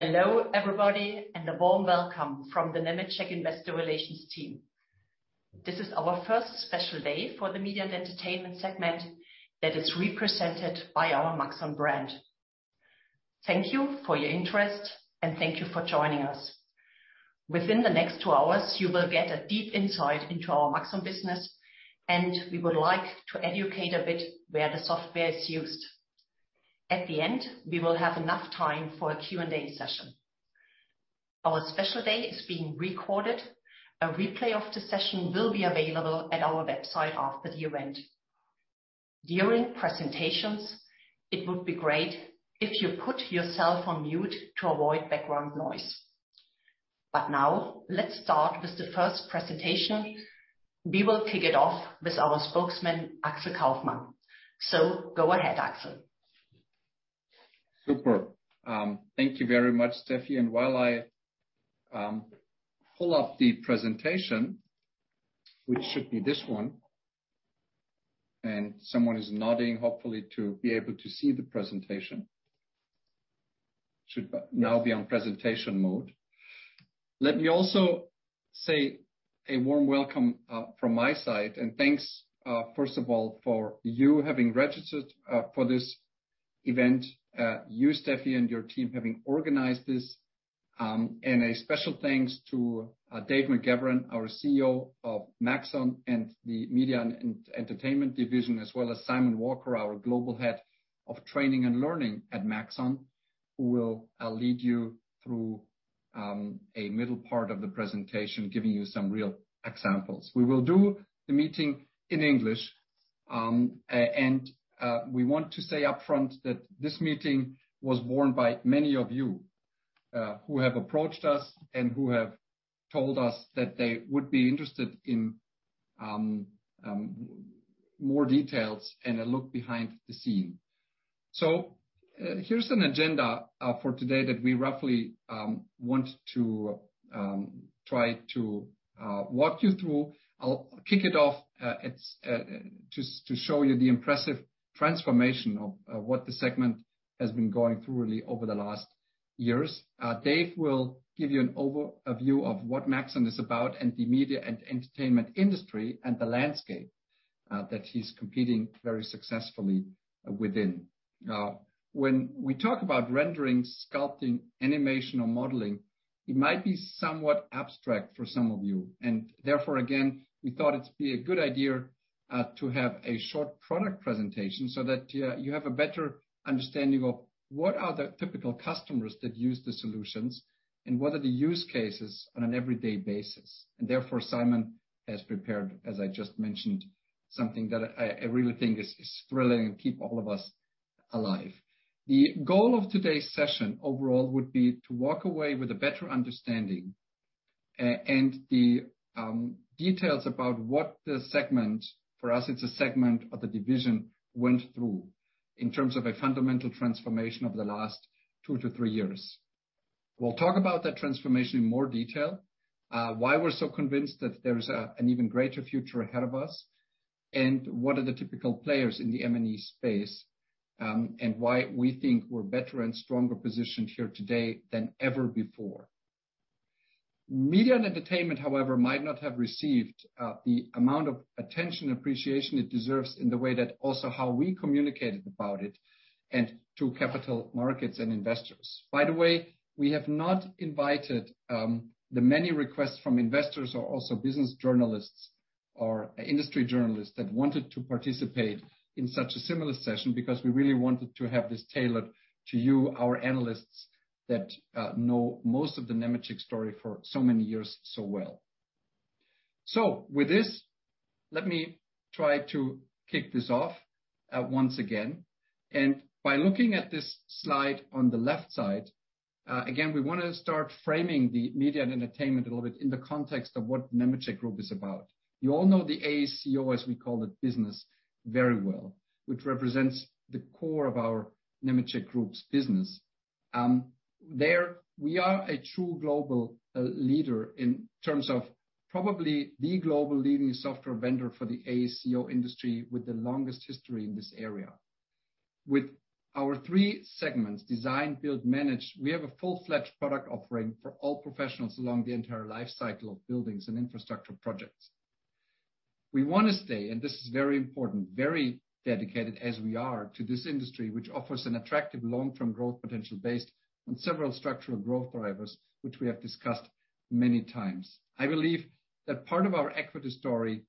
Hello everybody, a warm welcome from the Nemetschek investor relations team. This is our first special day for the Media & Entertainment segment that is represented by our Maxon brand. Thank you for your interest and thank you for joining us. Within the next two hours, you will get a deep insight into our Maxon business, and we would like to educate a bit where the software is used. At the end, we will have enough time for a Q&A session. Our special day is being recorded. A replay of the session will be available at our website after the event. During presentations, it would be great if you put yourself on mute to avoid background noise. Now, let's start with the first presentation. We will kick it off with our Spokesman, Axel Kaufmann. Go ahead, Axel. Super. Thank you very much, Stefanie. While I pull up the presentation, which should be this one, someone is nodding, hopefully to be able to see the presentation. Should now be on presentation mode. Let me also say a warm welcome from my side and thanks, first of all, for you having registered for this event, you, Stefanie, and your team having organized this. A special thanks to Dave McGavran, our CEO of Maxon and the Media & Entertainment division, as well as Simon Walker, our Global Head of Training and Learning at Maxon, who will lead you through a middle part of the presentation, giving you some real examples. We will do the meeting in English. We want to say upfront that this meeting was born by many of you, who have approached us and who have told us that they would be interested in more details and a look behind the scenes. Here's an agenda for today that we roughly want to try to walk you through. I'll kick it off, just to show you the impressive transformation of what the segment has been going through really over the last years. Dave will give you an overview of what Maxon is about and the Media & Entertainment industry and the landscape that he's competing very successfully within. When we talk about rendering, sculpting, animation, or modeling, it might be somewhat abstract for some of you. Therefore, again, we thought it's be a good idea to have a short product presentation so that you have a better understanding of what are the typical customers that use the solutions and what are the use cases on an everyday basis. Therefore, Simon has prepared, as I just mentioned, something that I really think is thrilling and keep all of us alive. The goal of today's session overall would be to walk away with a better understanding and the details about what the segment, for us it's a segment of the division, went through in terms of a fundamental transformation over the last two to three years. We'll talk about that transformation in more detail, why we're so convinced that there's an even greater future ahead of us, and what are the typical players in the M&E space, and why we think we're better and stronger positioned here today than ever before. Media & Entertainment, however, might not have received the amount of attention, appreciation it deserves in the way that also how we communicated about it and to capital markets and investors. By the way, we have not invited the many requests from investors or also business journalists or industry journalists that wanted to participate in such a similar session because we really wanted to have this tailored to you, our analysts, that know most of the Nemetschek story for so many years so well. With this, let me try to kick this off once again. By looking at this slide on the left side, again, we want to start framing the Media & Entertainment a little bit in the context of what Nemetschek Group is about. You all know the AECO, as we call it, business very well, which represents the core of our Nemetschek Group's business. There we are a true global leader in terms of probably the global leading software vendor for the AECO industry with the longest history in this area. With our three segments, design, build, manage, we have a full-fledged product offering for all professionals along the entire life cycle of buildings and infrastructure projects. We want to stay, and this is very important, very dedicated as we are to this industry, which offers an attractive long-term growth potential based on several structural growth drivers which we have discussed many times. I believe that part of our equity story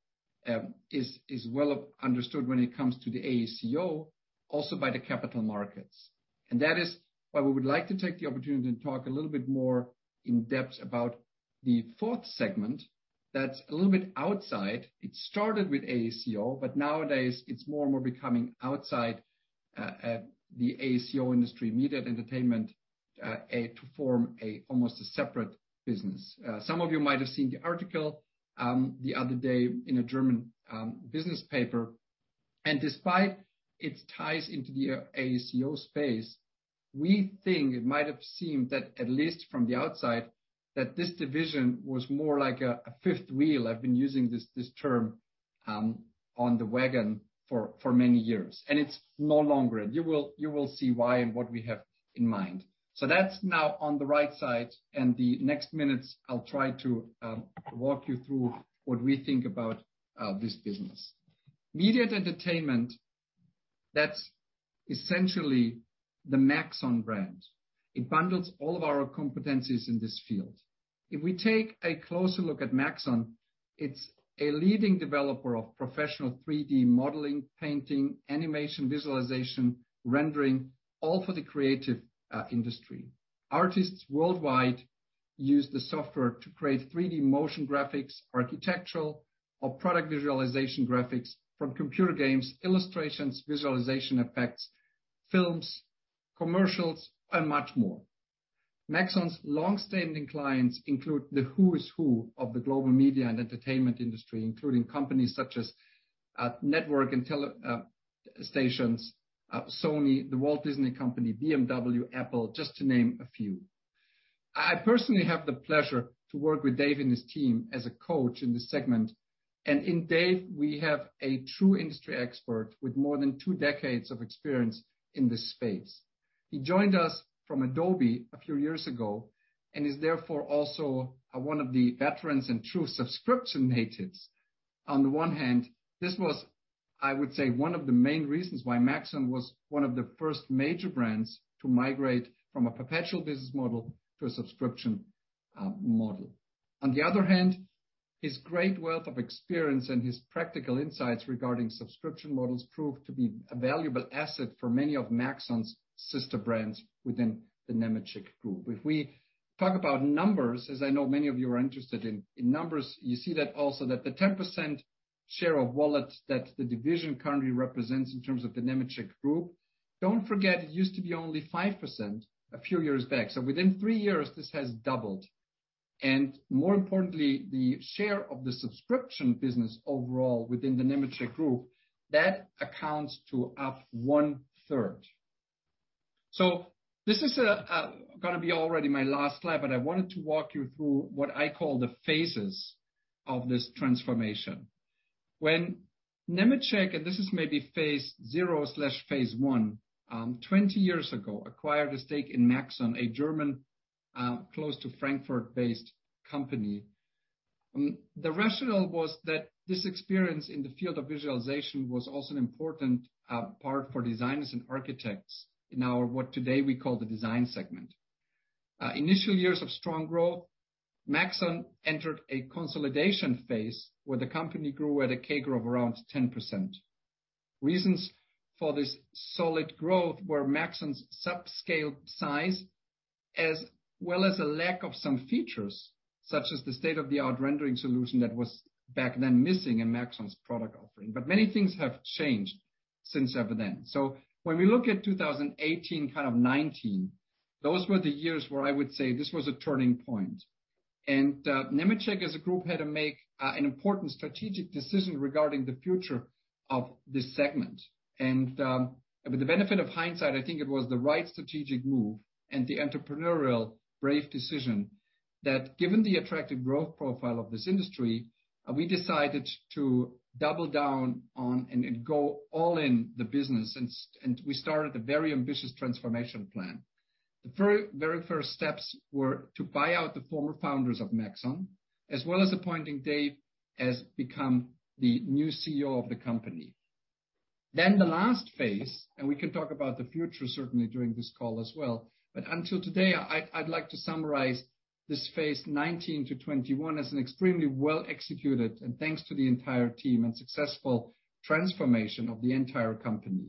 is well understood when it comes to the AECO, also by the capital markets. That is why we would like to take the opportunity to talk a little bit more in depth about the fourth segment that's a little bit outside. It started with AECO, but nowadays it's more and more becoming outside the AECO industry, Media & Entertainment, to form almost a separate business. Some of you might have seen the article the other day in a German business paper. Despite its ties into the AECO space, we think it might have seemed that, at least from the outside, this division was more like a fifth wheel, I've been using this term, on the wagon for many years, and it's no longer. You will see why and what we have in mind. That's now on the right side, and the next minutes, I'll try to walk you through what we think about this business. Media & Entertainment, that's essentially the Maxon brand. It bundles all of our competencies in this field. If we take a closer look at Maxon, it's a leading developer of professional 3D modeling, painting, animation visualization, rendering, all for the creative industry. Artists worldwide use the software to create 3D motion graphics, architectural or product visualization graphics. From computer games, illustrations, visualization effects, films, commercials, and much more. Maxon's longstanding clients include the who's who of the global Media & Entertainment industry, including companies such as network and tele stations, Sony, The Walt Disney Company, BMW, Apple, just to name a few. I personally have the pleasure to work with Dave and his team as a coach in this segment. In Dave, we have a true industry expert with more than two decades of experience in this space. He joined us from Adobe a few years ago and is therefore also one of the veterans and true subscription natives. On the one hand, this was, I would say, one of the main reasons why Maxon was one of the first major brands to migrate from a perpetual business model to a subscription model. On the other hand, his great wealth of experience and his practical insights regarding subscription models proved to be a valuable asset for many of Maxon's sister brands within the Nemetschek Group. If we talk about numbers, as I know many of you are interested in numbers, you see that also that the 10% share of wallet that the division currently represents in terms of the Nemetschek Group, don't forget, it used to be only 5% a few years back. Within three years, this has doubled. More importantly, the share of the subscription business overall within the Nemetschek Group, that accounts to up one-third. This is going to be already my last slide. I wanted to walk you through what I call the phases of this transformation. When Nemetschek, this is maybe phase zero/phase I, 20 years ago, acquired a stake in Maxon, a German, close to Frankfurt-based company. The rationale was that this experience in the field of visualization was also an important part for designers and architects in our what today we call the design segment. Initial years of strong growth, Maxon entered a consolidation phase where the company grew at a CAGR of around 10%. Reasons for this solid growth were Maxon's sub-scale size, as well as a lack of some features, such as the state-of-the-art rendering solution that was back then missing in Maxon's product offering. Many things have changed since ever then. When we look at 2018, kind of 2019, those were the years where I would say this was a turning point. Nemetschek, as a group, had to make an important strategic decision regarding the future of this segment. With the benefit of hindsight, I think it was the right strategic move and the entrepreneurial, brave decision that given the attractive growth profile of this industry, we decided to double down on and go all in the business, and we started a very ambitious transformation plan. The very first steps were to buy out the former Founders of Maxon, as well as appointing Dave as become the new CEO of the company. The last phase, and we can talk about the future, certainly, during this call as well. Until today, I'd like to summarize this phase 2019-2021 as an extremely well-executed, and thanks to the entire team, and successful transformation of the entire company.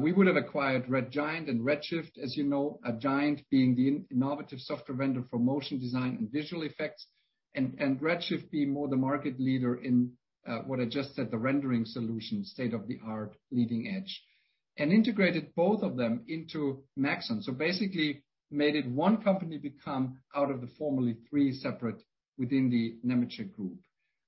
We would have acquired Red Giant and Redshift, as you know, Giant being the innovative software vendor for motion design and visual effects, and Redshift being more the market leader in, what I just said, the rendering solution, state-of-the-art leading edge. Integrated both of them into Maxon. Basically made it one company become out of the formerly three separate within the Nemetschek Group.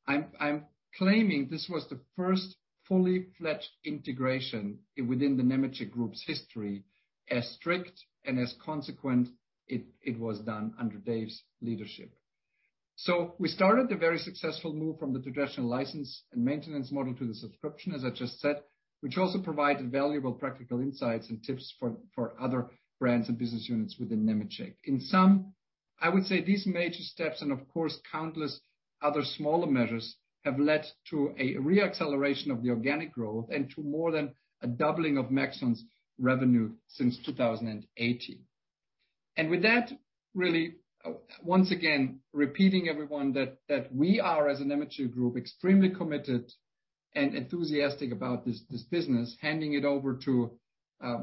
I'm claiming this was the first fully fledged integration within the Nemetschek Group's history. As strict and as consequent it was done under Dave's leadership. We started the very successful move from the traditional license and maintenance model to the subscription, as I just said, which also provided valuable practical insights and tips for other brands and business units within Nemetschek. In sum, I would say these major steps, and of course, countless other smaller measures, have led to a re-acceleration of the organic growth and to more than a doubling of Maxon's revenue since 2018. With that, really, once again, repeating everyone that we are, as a Nemetschek Group, extremely committed and enthusiastic about this business, handing it over to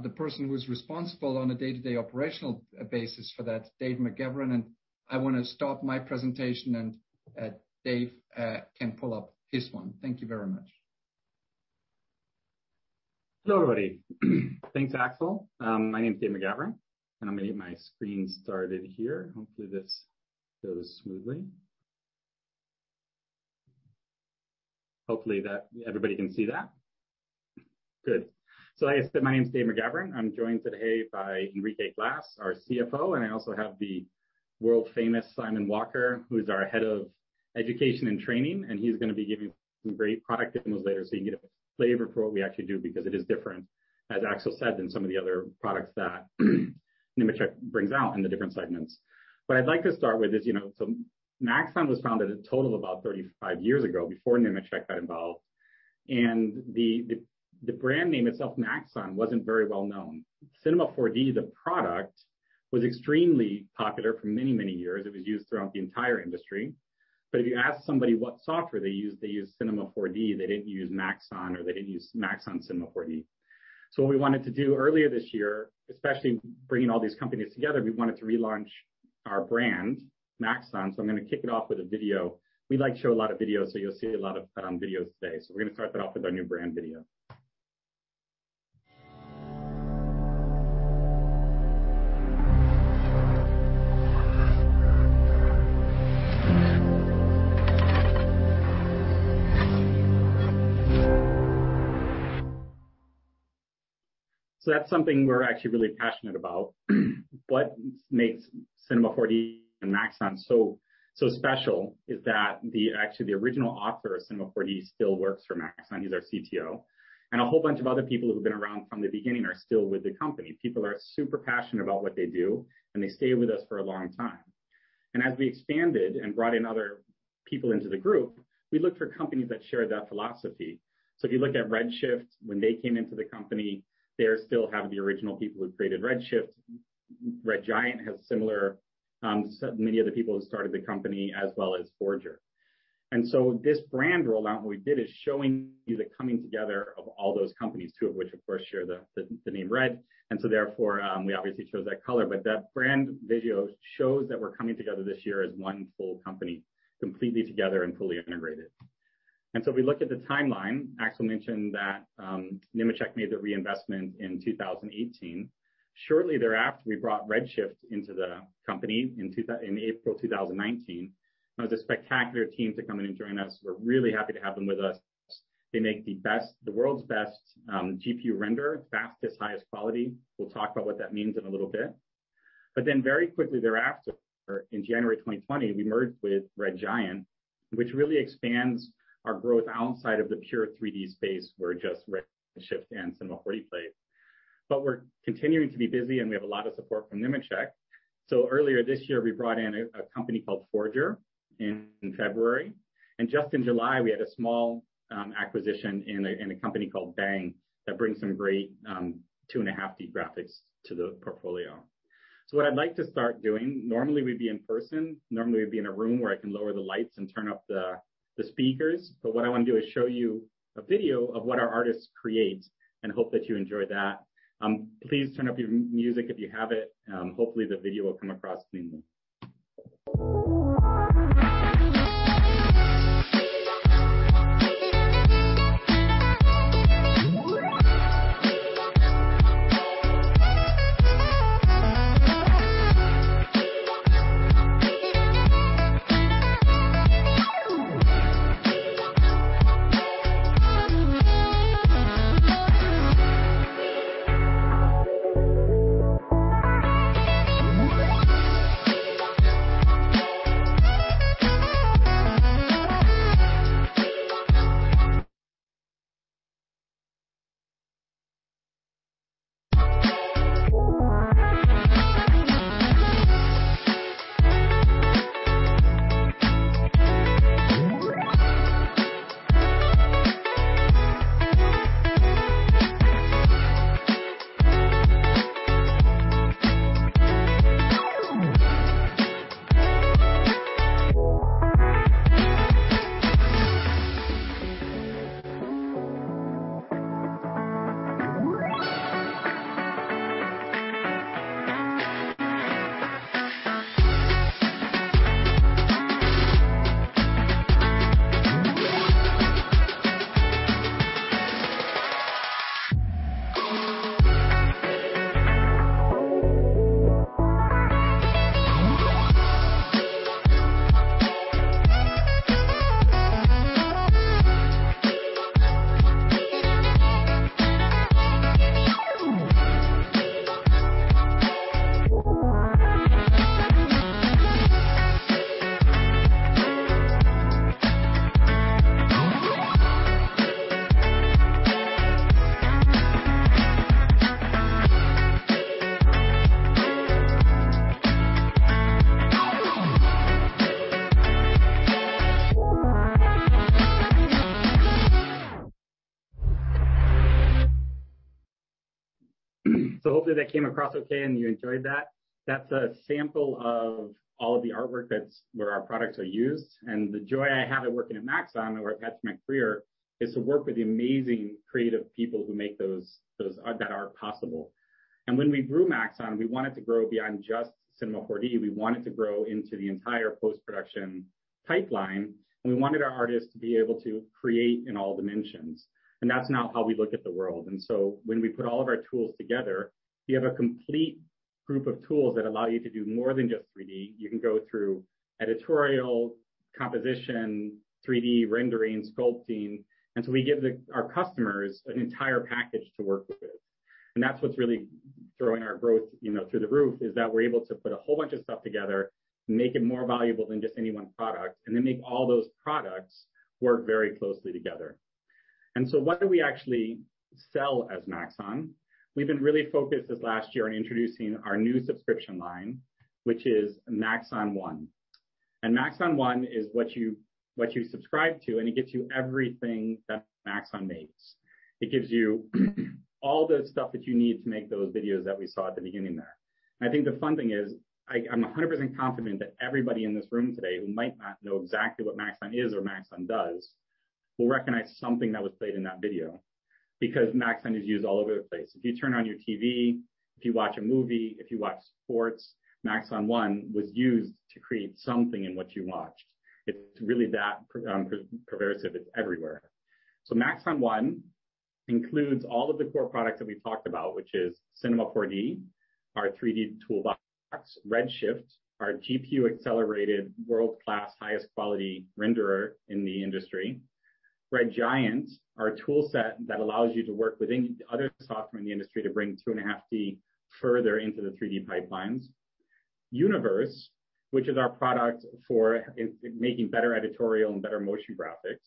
the person who's responsible on a day-to-day operational basis for that, Dave McGavran. I want to stop my presentation and Dave can pull up his one. Thank you very much. Hello, everybody. Thanks, Axel. My name's Dave McGavran. I'm gonna get my screen started here. Hopefully, this goes smoothly. Hopefully, everybody can see that. Good. Hi, my name's Dave McGavran. I'm joined today by Enrique Glas, our CFO. I also have the world-famous Simon Walker, who's our Head of Education and Training, and he's going to be giving some great product demos later so you can get a flavor for what we actually do, because it is different, as Axel said, than some of the other products that Nemetschek brings out in the different segments. What I'd like to start with is, Maxon was founded a total of about 35 years ago, before Nemetschek got involved. The brand name itself, Maxon, wasn't very well-known. Cinema 4D, the product, was extremely popular for many, many years. It was used throughout the entire industry. If you asked somebody what software they use, they use Cinema 4D. They didn't use Maxon, or they didn't use Maxon Cinema 4D. What we wanted to do earlier this year, especially bringing all these companies together, we wanted to relaunch our brand, Maxon. I'm going to kick it off with a video. We like to show a lot of videos, so you'll see a lot of videos today. We're going to start that off with our new brand video. That's something we're actually really passionate about. What makes Cinema 4D and Maxon so special is that actually the original author of Cinema 4D still works for Maxon. He's our CTO. A whole bunch of other people who've been around from the beginning are still with the company. People are super passionate about what they do, they stay with us for a long time. As we expanded and brought in other people into the group, we looked for companies that shared that philosophy. If you look at Redshift, when they came into the company, they still have the original people who created Redshift. Red Giant has similar, many of the people who started the company, as well as Forger. This brand rollout, what we did is showing you the coming together of all those companies. Two of which, of course, share the name red, and so therefore, we obviously chose that color. That brand video shows that we're coming together this year as one full company, completely together and fully integrated. If we look at the timeline, Axel mentioned that Nemetschek made the reinvestment in 2018. Shortly thereafter, we brought Redshift into the company in April 2019. That was a spectacular team to come in and join us. We're really happy to have them with us. They make the world's best GPU render, fastest, highest quality. We'll talk about what that means in a little bit. Very quickly thereafter, in January 2020, we merged with Red Giant, which really expands our growth outside of the pure 3D space where just Redshift and Cinema 4D play. We're continuing to be busy, and we have a lot of support from Nemetschek. Earlier this year, we brought in a company called Forger in February. Just in July, we had a small acquisition in a company called Bang that brings some great 2.5D graphics to the portfolio. What I'd like to start doing, normally we'd be in person. Normally, we'd be in a room where I can lower the lights and turn up the speakers. What I want to do is show you a video of what our artists create, and hope that you enjoy that. Please turn up your music if you have it. Hopefully, the video will come across cleanly. Hopefully that came across okay and you enjoyed that. That's a sample of all of the artwork where our products are used. The joy I have at working at Maxon, or that's my career, is to work with the amazing creative people who make that art possible. When we grew Maxon, we wanted to grow beyond just Cinema 4D. We wanted to grow into the entire post-production pipeline, and we wanted our artists to be able to create in all dimensions. That's now how we look at the world. When we put all of our tools together, we have a complete group of tools that allow you to do more than just 3D. You can go through editorial, composition, 3D rendering, sculpting. We give our customers an entire package to work with. That's what's really throwing our growth through the roof, is that we're able to put a whole bunch of stuff together, make it more valuable than just any one product, and then make all those products work very closely together. What do we actually sell as Maxon? We've been really focused this last year on introducing our new subscription line, which is Maxon One. Maxon One is what you subscribe to, and it gets you everything that Maxon makes. It gives you all the stuff that you need to make those videos that we saw at the beginning there. I think the fun thing is, I'm 100% confident that everybody in this room today who might not know exactly what Maxon is or Maxon does, will recognize something that was played in that video. Maxon is used all over the place. If you turn on your TV, if you watch a movie, if you watch sports, Maxon One was used to create something in what you watched. It's really that pervasive. It's everywhere. Maxon One includes all of the core products that we've talked about, which is Cinema 4D, our 3D toolbox, Redshift, our GPU-accelerated world-class highest quality renderer in the industry. Red Giant, our toolset that allows you to work with any other software in the industry to bring 2.5D further into the 3D pipelines. Universe, which is our product for making better editorial and better motion graphics.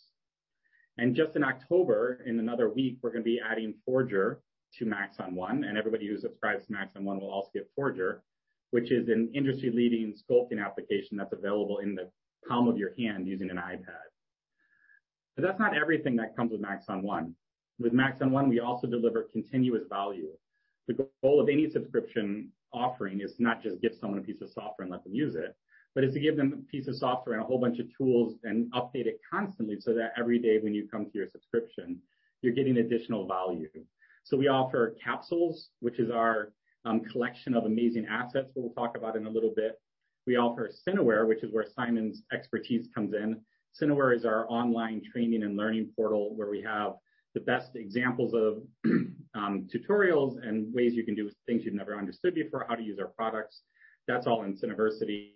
Just in October, in another week, we're going to be adding Forger to Maxon One, and everybody who subscribes to Maxon One will also get Forger, which is an industry-leading sculpting application that's available in the palm of your hand using an iPad. That's not everything that comes with Maxon One. With Maxon One, we also deliver continuous value. The goal of any subscription offering is not just give someone a piece of software and let them use it, but is to give them a piece of software and a whole bunch of tools and update it constantly, so that every day when you come to your subscription, you're getting additional value. We offer Capsules, which is our collection of amazing assets that we'll talk about in a little bit. We offer Cineware, which is where Simon's expertise comes in. Cineversity is our online training and learning portal, where we have the best examples of tutorials and ways you can do things you've never understood before, how to use our products. That's all in Cineversity.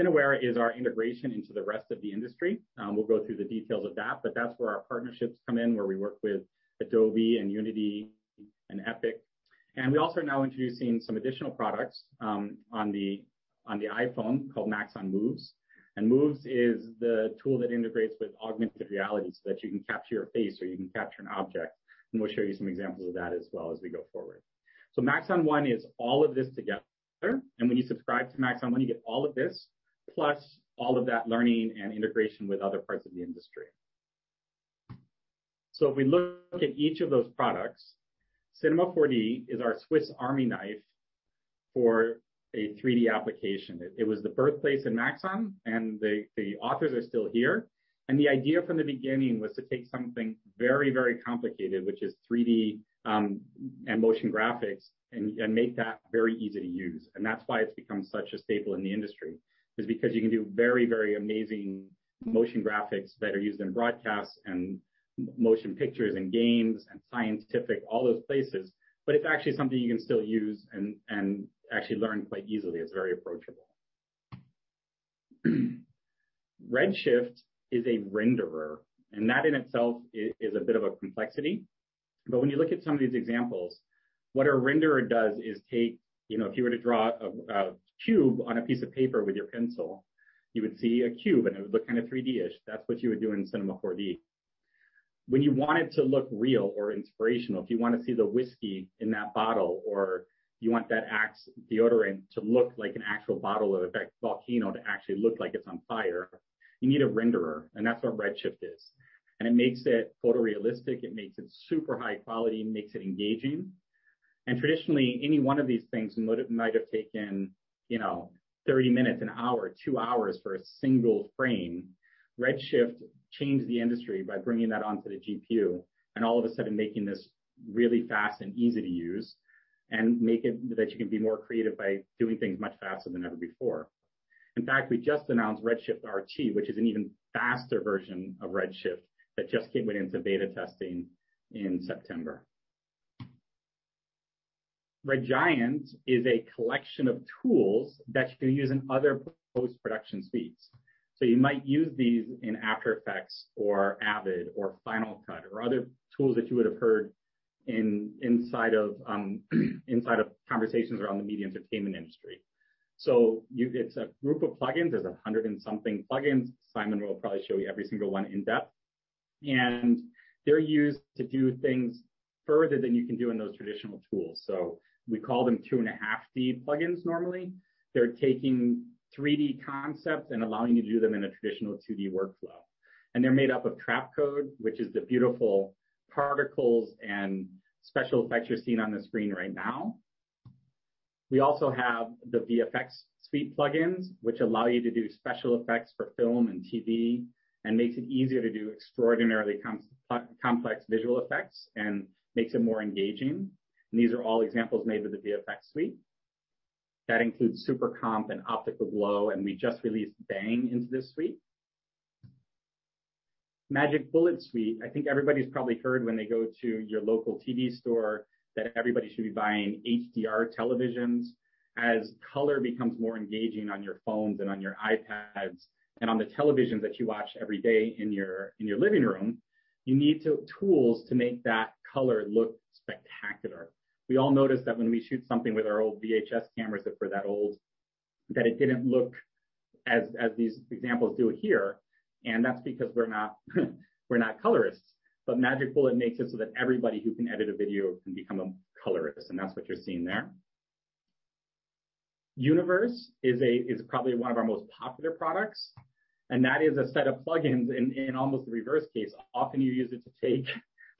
Cineware is our integration into the rest of the industry. We'll go through the details of that, but that's where our partnerships come in, where we work with Adobe and Unity and Epic. We also are now introducing some additional products on the iPhone called Maxon Moves. Moves is the tool that integrates with augmented reality so that you can capture your face or you can capture an object, and we'll show you some examples of that as well as we go forward. Maxon One is all of this together. When you subscribe to Maxon One, you get all of this, plus all of that learning and integration with other parts of the industry. If we look at each of those products, Cinema 4D is our Swiss Army knife for a 3D application. It was the birthplace of Maxon, and the authors are still here. The idea from the beginning was to take something very, very complicated, which is 3D and motion graphics, and make that very easy to use. That's why it's become such a staple in the industry, is because you can do very, very amazing motion graphics that are used in broadcasts and motion pictures and games and scientific, all those places. It's actually something you can still use and actually learn quite easily. It's very approachable. Redshift is a renderer, and that in itself is a bit of a complexity. When you look at some of these examples, what a renderer does is if you were to draw a cube on a piece of paper with your pencil, you would see a cube, and it would look kind of 3D-ish. That's what you would do in Cinema 4D. When you want it to look real or inspirational, if you want to see the whiskey in that bottle or you want that Axe deodorant to look like an actual bottle or that volcano to actually look like it's on fire, you need a renderer, and that's what Redshift is. It makes it photorealistic. It makes it super high quality and makes it engaging. Traditionally, any one of these things might have taken 30 minutes, one hour, two hours for a single frame. Redshift changed the industry by bringing that onto the GPU, and all of a sudden making this really fast and easy to use, and make it that you can be more creative by doing things much faster than ever before. In fact, we just announced Redshift RT, which is an even faster version of Redshift that just went into beta testing in September. Red Giant is a collection of tools that you can use in other post-production suites. You might use these in After Effects or Avid or Final Cut or other tools that you would have heard inside of conversations around the media entertainment industry. It's a group of plugins. There's 100 and something plugins. Simon will probably show you every single one in depth. They're used to do things further than you can do in those traditional tools. We call them 2.5D plugins normally. They're taking 3D concepts and allowing you to do them in a traditional 2D workflow. They're made up of Trapcode, which is the beautiful particles and special effects you're seeing on the screen right now. We also have the VFX Suite plugins, which allow you to do special effects for film and TV, and makes it easier to do extraordinarily complex visual effects and makes it more engaging. These are all examples made with the VFX Suite. That includes Supercomp and Optical Glow, and we just released Bang into this suite. Magic Bullet Suite. I think everybody's probably heard when they go to your local TV store that everybody should be buying HDR televisions. As color becomes more engaging on your phones and on your iPads, and on the televisions that you watch every day in your living room, you need tools to make that color look spectacular. We all notice that when we shoot something with our old VHS cameras, if we're that old, that it didn't look as these examples do here, and that's because we're not colorists. Magic Bullet makes it so that everybody who can edit a video can become a colorist, and that's what you're seeing there. Universe is probably one of our most popular products, that is a set of plugins in almost the reverse case. Often you use it to take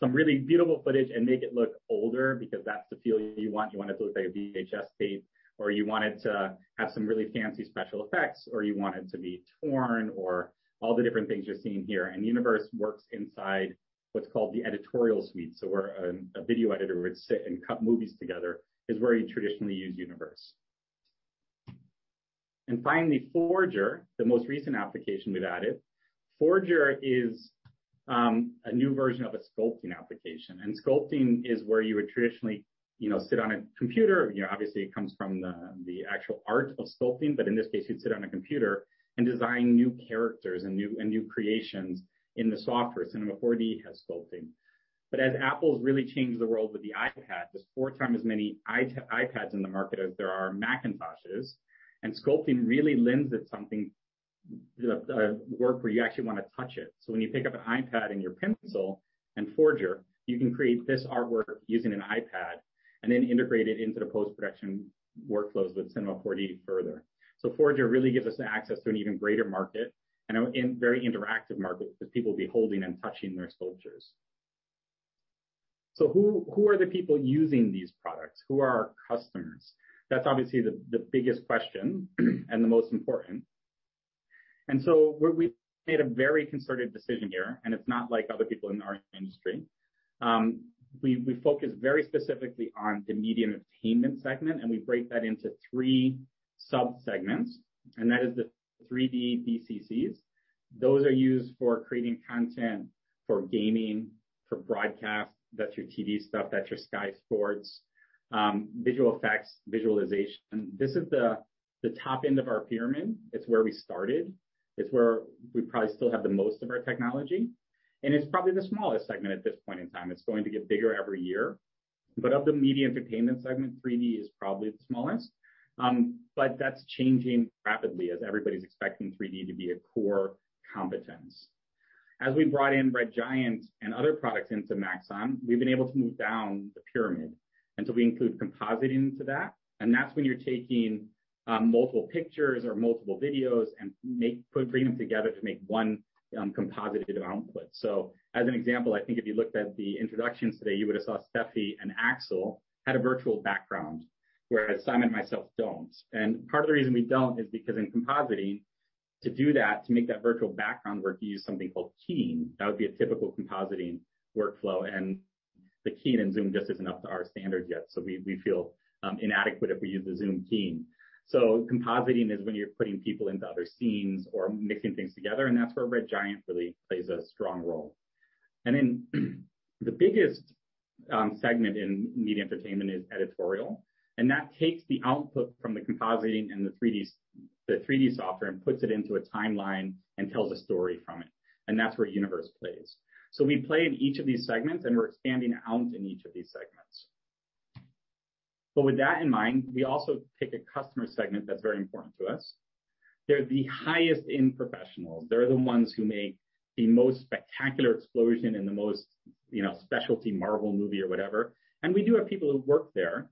some really beautiful footage and make it look older because that's the feel you want. You want it to look like a VHS tape, or you want it to have some really fancy special effects, or you want it to be torn, or all the different things you're seeing here. Universe works inside what's called the editorial suite. Where a video editor would sit and cut movies together is where you traditionally use Universe. Finally, Forger, the most recent application we've added. Forger is a new version of a sculpting application, and sculpting is where you would traditionally sit on a computer. Obviously, it comes from the actual art of sculpting, but in this case, you'd sit on a computer and design new characters and new creations in the software. Cinema 4D has sculpting. As Apple's really changed the world with the iPad, there's four times as many iPads in the market as there are Macintoshes, and sculpting really lends it something, the work where you actually want to touch it. When you pick up an iPad and your pencil in Forger, you can create this artwork using an iPad and then integrate it into the post-production workflows with Cinema 4D further. Forger really gives us access to an even greater market and a very interactive market because people will be holding and touching their sculptures. Who are the people using these products? Who are our customers? That's obviously the biggest question and the most important. We made a very concerted decision here, and it's not like other people in our industry. We focus very specifically on the Media & Entertainment segment, and we break that into three sub-segments, and that is the 3D DCCs. Those are used for creating content for gaming, for broadcast. That's your TV stuff. That's your Sky Sports. Visual effects, visualization. This is the top end of our pyramid. It's where we started. It's where we probably still have the most of our technology, and it's probably the smallest segment at this point in time. It's going to get bigger every year. Of the Media & Entertainment segment, 3D is probably the smallest. That's changing rapidly as everybody's expecting 3D to be a core competence. As we brought in Red Giant and other products into Maxon, we've been able to move down the pyramid. We include compositing into that, and that's when you're taking multiple pictures or multiple videos and putting them together to make one composited output. As an example, I think if you looked at the introductions today, you would have saw Stefanie and Axel had a virtual background, whereas Simon and myself don't. Part of the reason we don't is because in compositing, to do that, to make that virtual background work, you use something called keying. That would be a typical compositing workflow, and the keying in Zoom just isn't up to our standards yet. We feel inadequate if we use the Zoom keying. Compositing is when you're putting people into other scenes or mixing things together, and that's where Red Giant really plays a strong role. The biggest segment in Media & Entertainment is editorial, and that takes the output from the compositing and the 3D software and puts it into a timeline and tells a story from it, and that's where Universe plays. We play in each of these segments, and we're expanding out in each of these segments. With that in mind, we also pick a customer segment that's very important to us. They're the highest-end professionals. They're the ones who make the most spectacular explosion and the most specialty Marvel movie or whatever. We do have people who work there.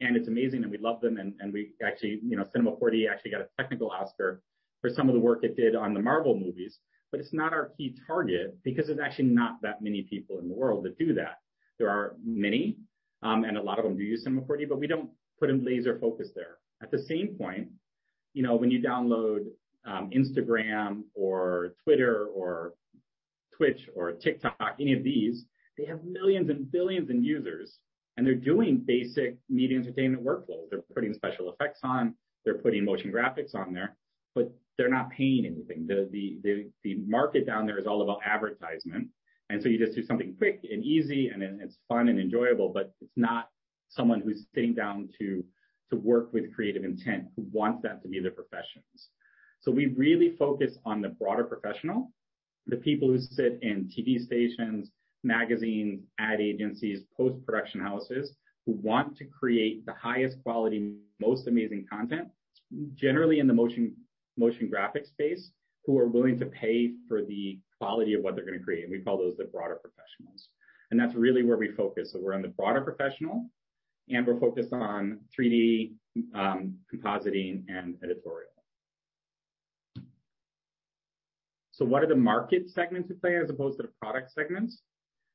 It's amazing, and we love them. Cinema 4D actually got a Technical Oscar for some of the work it did on the Marvel movies, but it's not our key target because there's actually not that many people in the world that do that. There are many, and a lot of them do use Cinema 4D, but we don't put a laser focus there. At the same point, when you download Instagram or Twitter or Twitch or TikTok, any of these, they have millions and billions in users, and they're doing basic media entertainment workflows. They're putting special effects on. They're putting motion graphics on there, but they're not paying anything. The market down there is all about advertisement, and so you just do something quick and easy, and it's fun and enjoyable, but it's not someone who's sitting down to work with creative intent, who wants that to be their professions. We really focus on the broader professional, the people who sit in TV stations, magazines, ad agencies, post-production houses, who want to create the highest quality, most amazing content, generally in the motion graphic space, who are willing to pay for the quality of what they're going to create. We call those the broader professionals. That's really where we focus. We're on the broader professional, and we're focused on 3D compositing and editorial. What are the market segments at play as opposed to the product segments?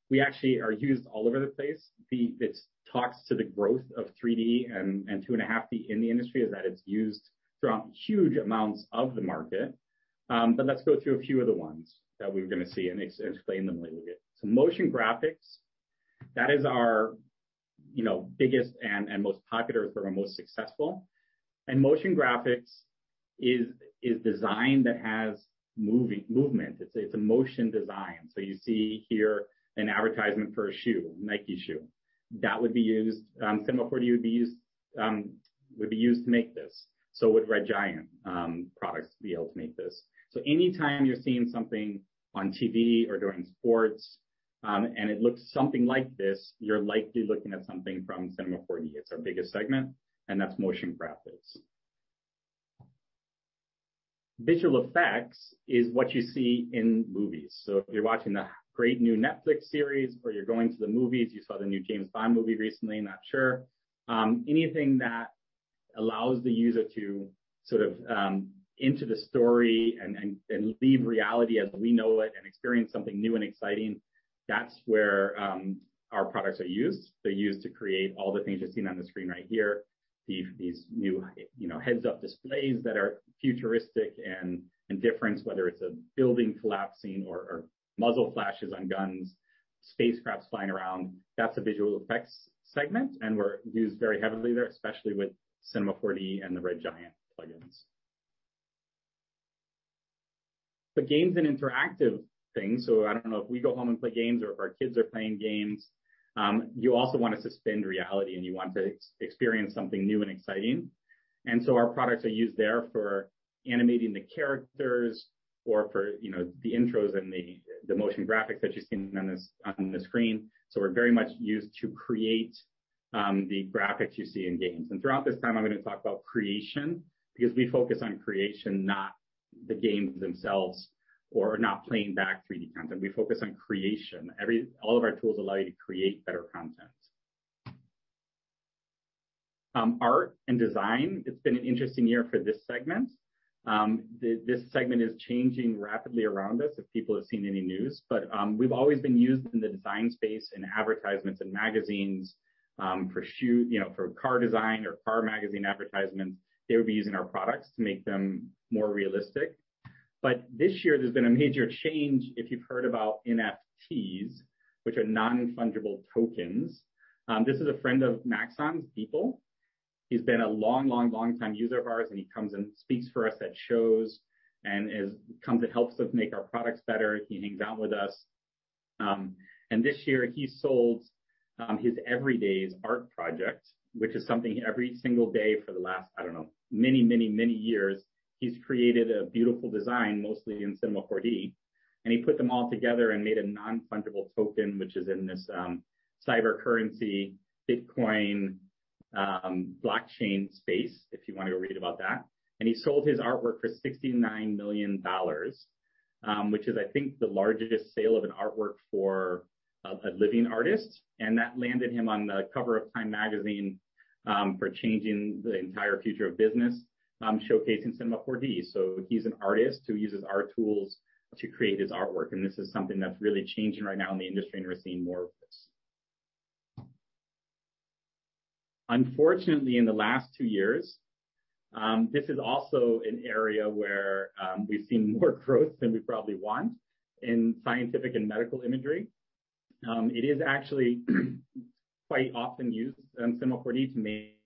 We actually are used all over the place. This talks to the growth of 3D and 2.5D in the industry is that it's used throughout huge amounts of the market, let's go through a few of the ones that we're going to see and explain them a little bit. Motion graphics. That is our biggest and most popular, sort of most successful. Motion graphics is design that has movement. It's a motion design. You see here an advertisement for a shoe, a Nike shoe. Cinema 4D would be used to make this. Would Red Giant products to be able to make this. Any time you're seeing something on TV or during sports, and it looks something like this, you're likely looking at something from Cinema 4D. It's our biggest segment, and that's motion graphics. Visual effects is what you see in movies. If you're watching the great new Netflix series or you're going to the movies, you saw the new James Bond movie recently, not sure. Anything that allows the user to sort of into the story and leave reality as we know it and experience something new and exciting, that's where our products are used. They're used to create all the things you're seeing on the screen right here. These new heads-up displays that are futuristic and different, whether it's a building collapsing or muzzle flashes on guns, spacecrafts flying around. That's a visual effects segment, and we're used very heavily there, especially with Cinema 4D and the Red Giant plugins. The games and interactive things, so I don't know if we go home and play games or if our kids are playing games, you also want to suspend reality, and you want to experience something new and exciting. Our products are used there for animating the characters or for the intros and the motion graphics that you're seeing on the screen. We're very much used to create the graphics you see in games. Throughout this time, I'm going to talk about creation because we focus on creation, not the games themselves or not playing back 3D content. We focus on creation. All of our tools allow you to create better content. Art and design. It's been an interesting year for this segment. This segment is changing rapidly around us, if people have seen any news. We've always been used in the design space, in advertisements and magazines. For car design or car magazine advertisements, they would be using our products to make them more realistic. This year, there's been a major change, if you've heard about NFTs, which are non-fungible tokens. This is a friend of Maxon's, Beeple. He's been a long time user of ours, and he comes and speaks for us at shows and comes and helps us make our products better. He hangs out with us. This year he sold his Everydays art project, which is something every single day for the last, I don't know, many years, he's created a beautiful design, mostly in Cinema 4D, and he put them all together and made a non-fungible token, which is in this cryptocurrency, Bitcoin, blockchain space, if you want to go read about that. He sold his artwork for EUR 69 million, which is, I think, the largest sale of an artwork for a living artist. That landed him on the cover of Time Magazine, for changing the entire future of business, showcasing Cinema 4D. He's an artist who uses our tools to create his artwork, and this is something that's really changing right now in the industry, and we're seeing more of this. Unfortunately, in the last two years, this is also an area where we've seen more growth than we probably want in scientific and medical imagery. It is actually quite often used, Cinema 4D, to make,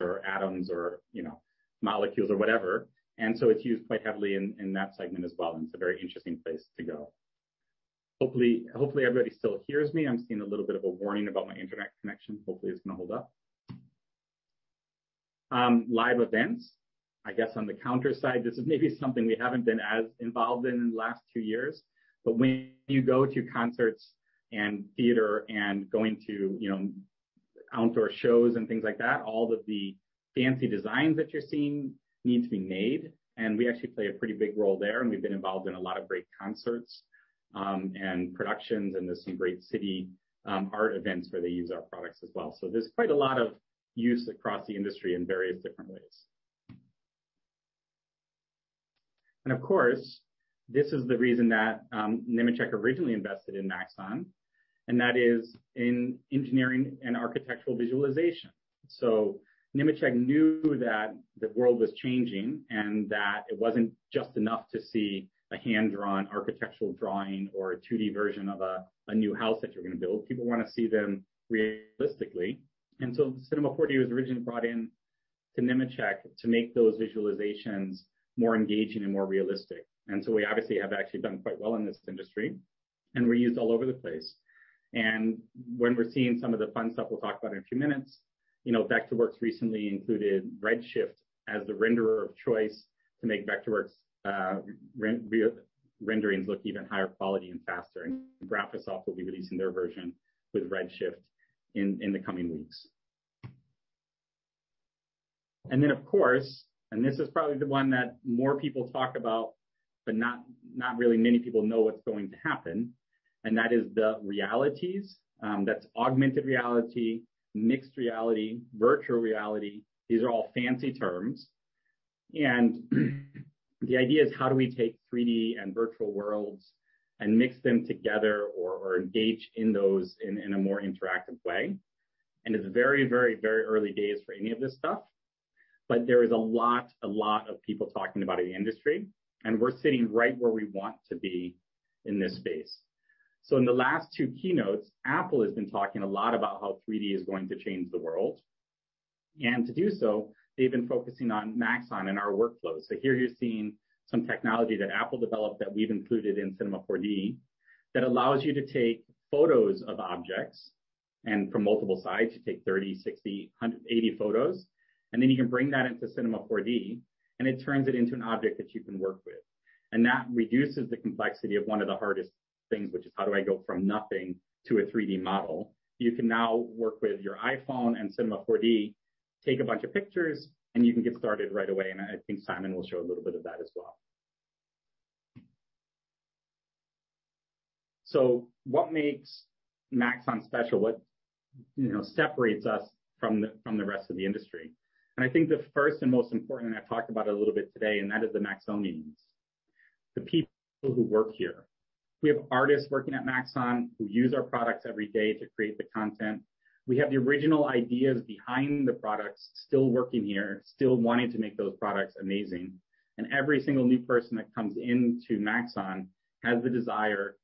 or atoms or molecules or whatever. It's used quite heavily in that segment as well, and it's a very interesting place to go. Hopefully, everybody still hears me. I'm seeing a little bit of a warning about my internet connection. Hopefully, it's going to hold up. Live events. I guess on the counter side, this is maybe something we haven't been as involved in in the last two years. When you go to concerts and theater and going to outdoor shows and things like that, all of the fancy designs that you're seeing need to be made. We actually play a pretty big role there, and we've been involved in a lot of great concerts, and productions, and there's some great city art events where they use our products as well. There's quite a lot of use across the industry in various different ways. Of course, this is the reason that Nemetschek originally invested in Maxon, and that is in engineering and architectural visualization. Nemetschek knew that the world was changing and that it wasn't just enough to see a hand-drawn architectural drawing or a 2D version of a new house that you're going to build. People want to see them realistically. Cinema 4D was originally brought in to Nemetschek to make those visualizations more engaging and more realistic. We obviously have actually done quite well in this industry, and we're used all over the place. When we're seeing some of the fun stuff we'll talk about in a few minutes, Vectorworks recently included Redshift as the renderer of choice to make Vectorworks renderings look even higher quality and faster. Graphisoft will be releasing their version with Redshift in the coming weeks. Then, of course, and this is probably the one that more people talk about, but not really many people know what's going to happen, and that is the realities. That's augmented reality, mixed reality, virtual reality. These are all fancy terms. The idea is how do we take 3D and virtual worlds and mix them together or engage in those in a more interactive way. It's very early days for any of this stuff. But there is a lot of people talking about the industry, and we're sitting right where we want to be in this space. In the last two keynotes, Apple has been talking a lot about how 3D is going to change the world. To do so, they've been focusing on Maxon and our workflows. Here you're seeing some technology that Apple developed that we've included in Cinema 4D that allows you to take photos of objects, and from multiple sides, so you take 30, 60, 80 photos, and then you can bring that into Cinema 4D, and it turns it into an object that you can work with. That reduces the complexity of one of the hardest things, which is how do I go from nothing to a 3D model. You can now work with your iPhone and Cinema 4D, take a bunch of pictures, and you can get started right away, and I think Simon will show a little bit of that as well. What makes Maxon special? What separates us from the rest of the industry? I think the first and most important, and I talked about it a little bit today, and that is the Maxonians, the people who work here. We have artists working at Maxon who use our products every day to create the content. We have the original ideas behind the products still working here, still wanting to make those products amazing. Every single new person that comes into Maxon has the desire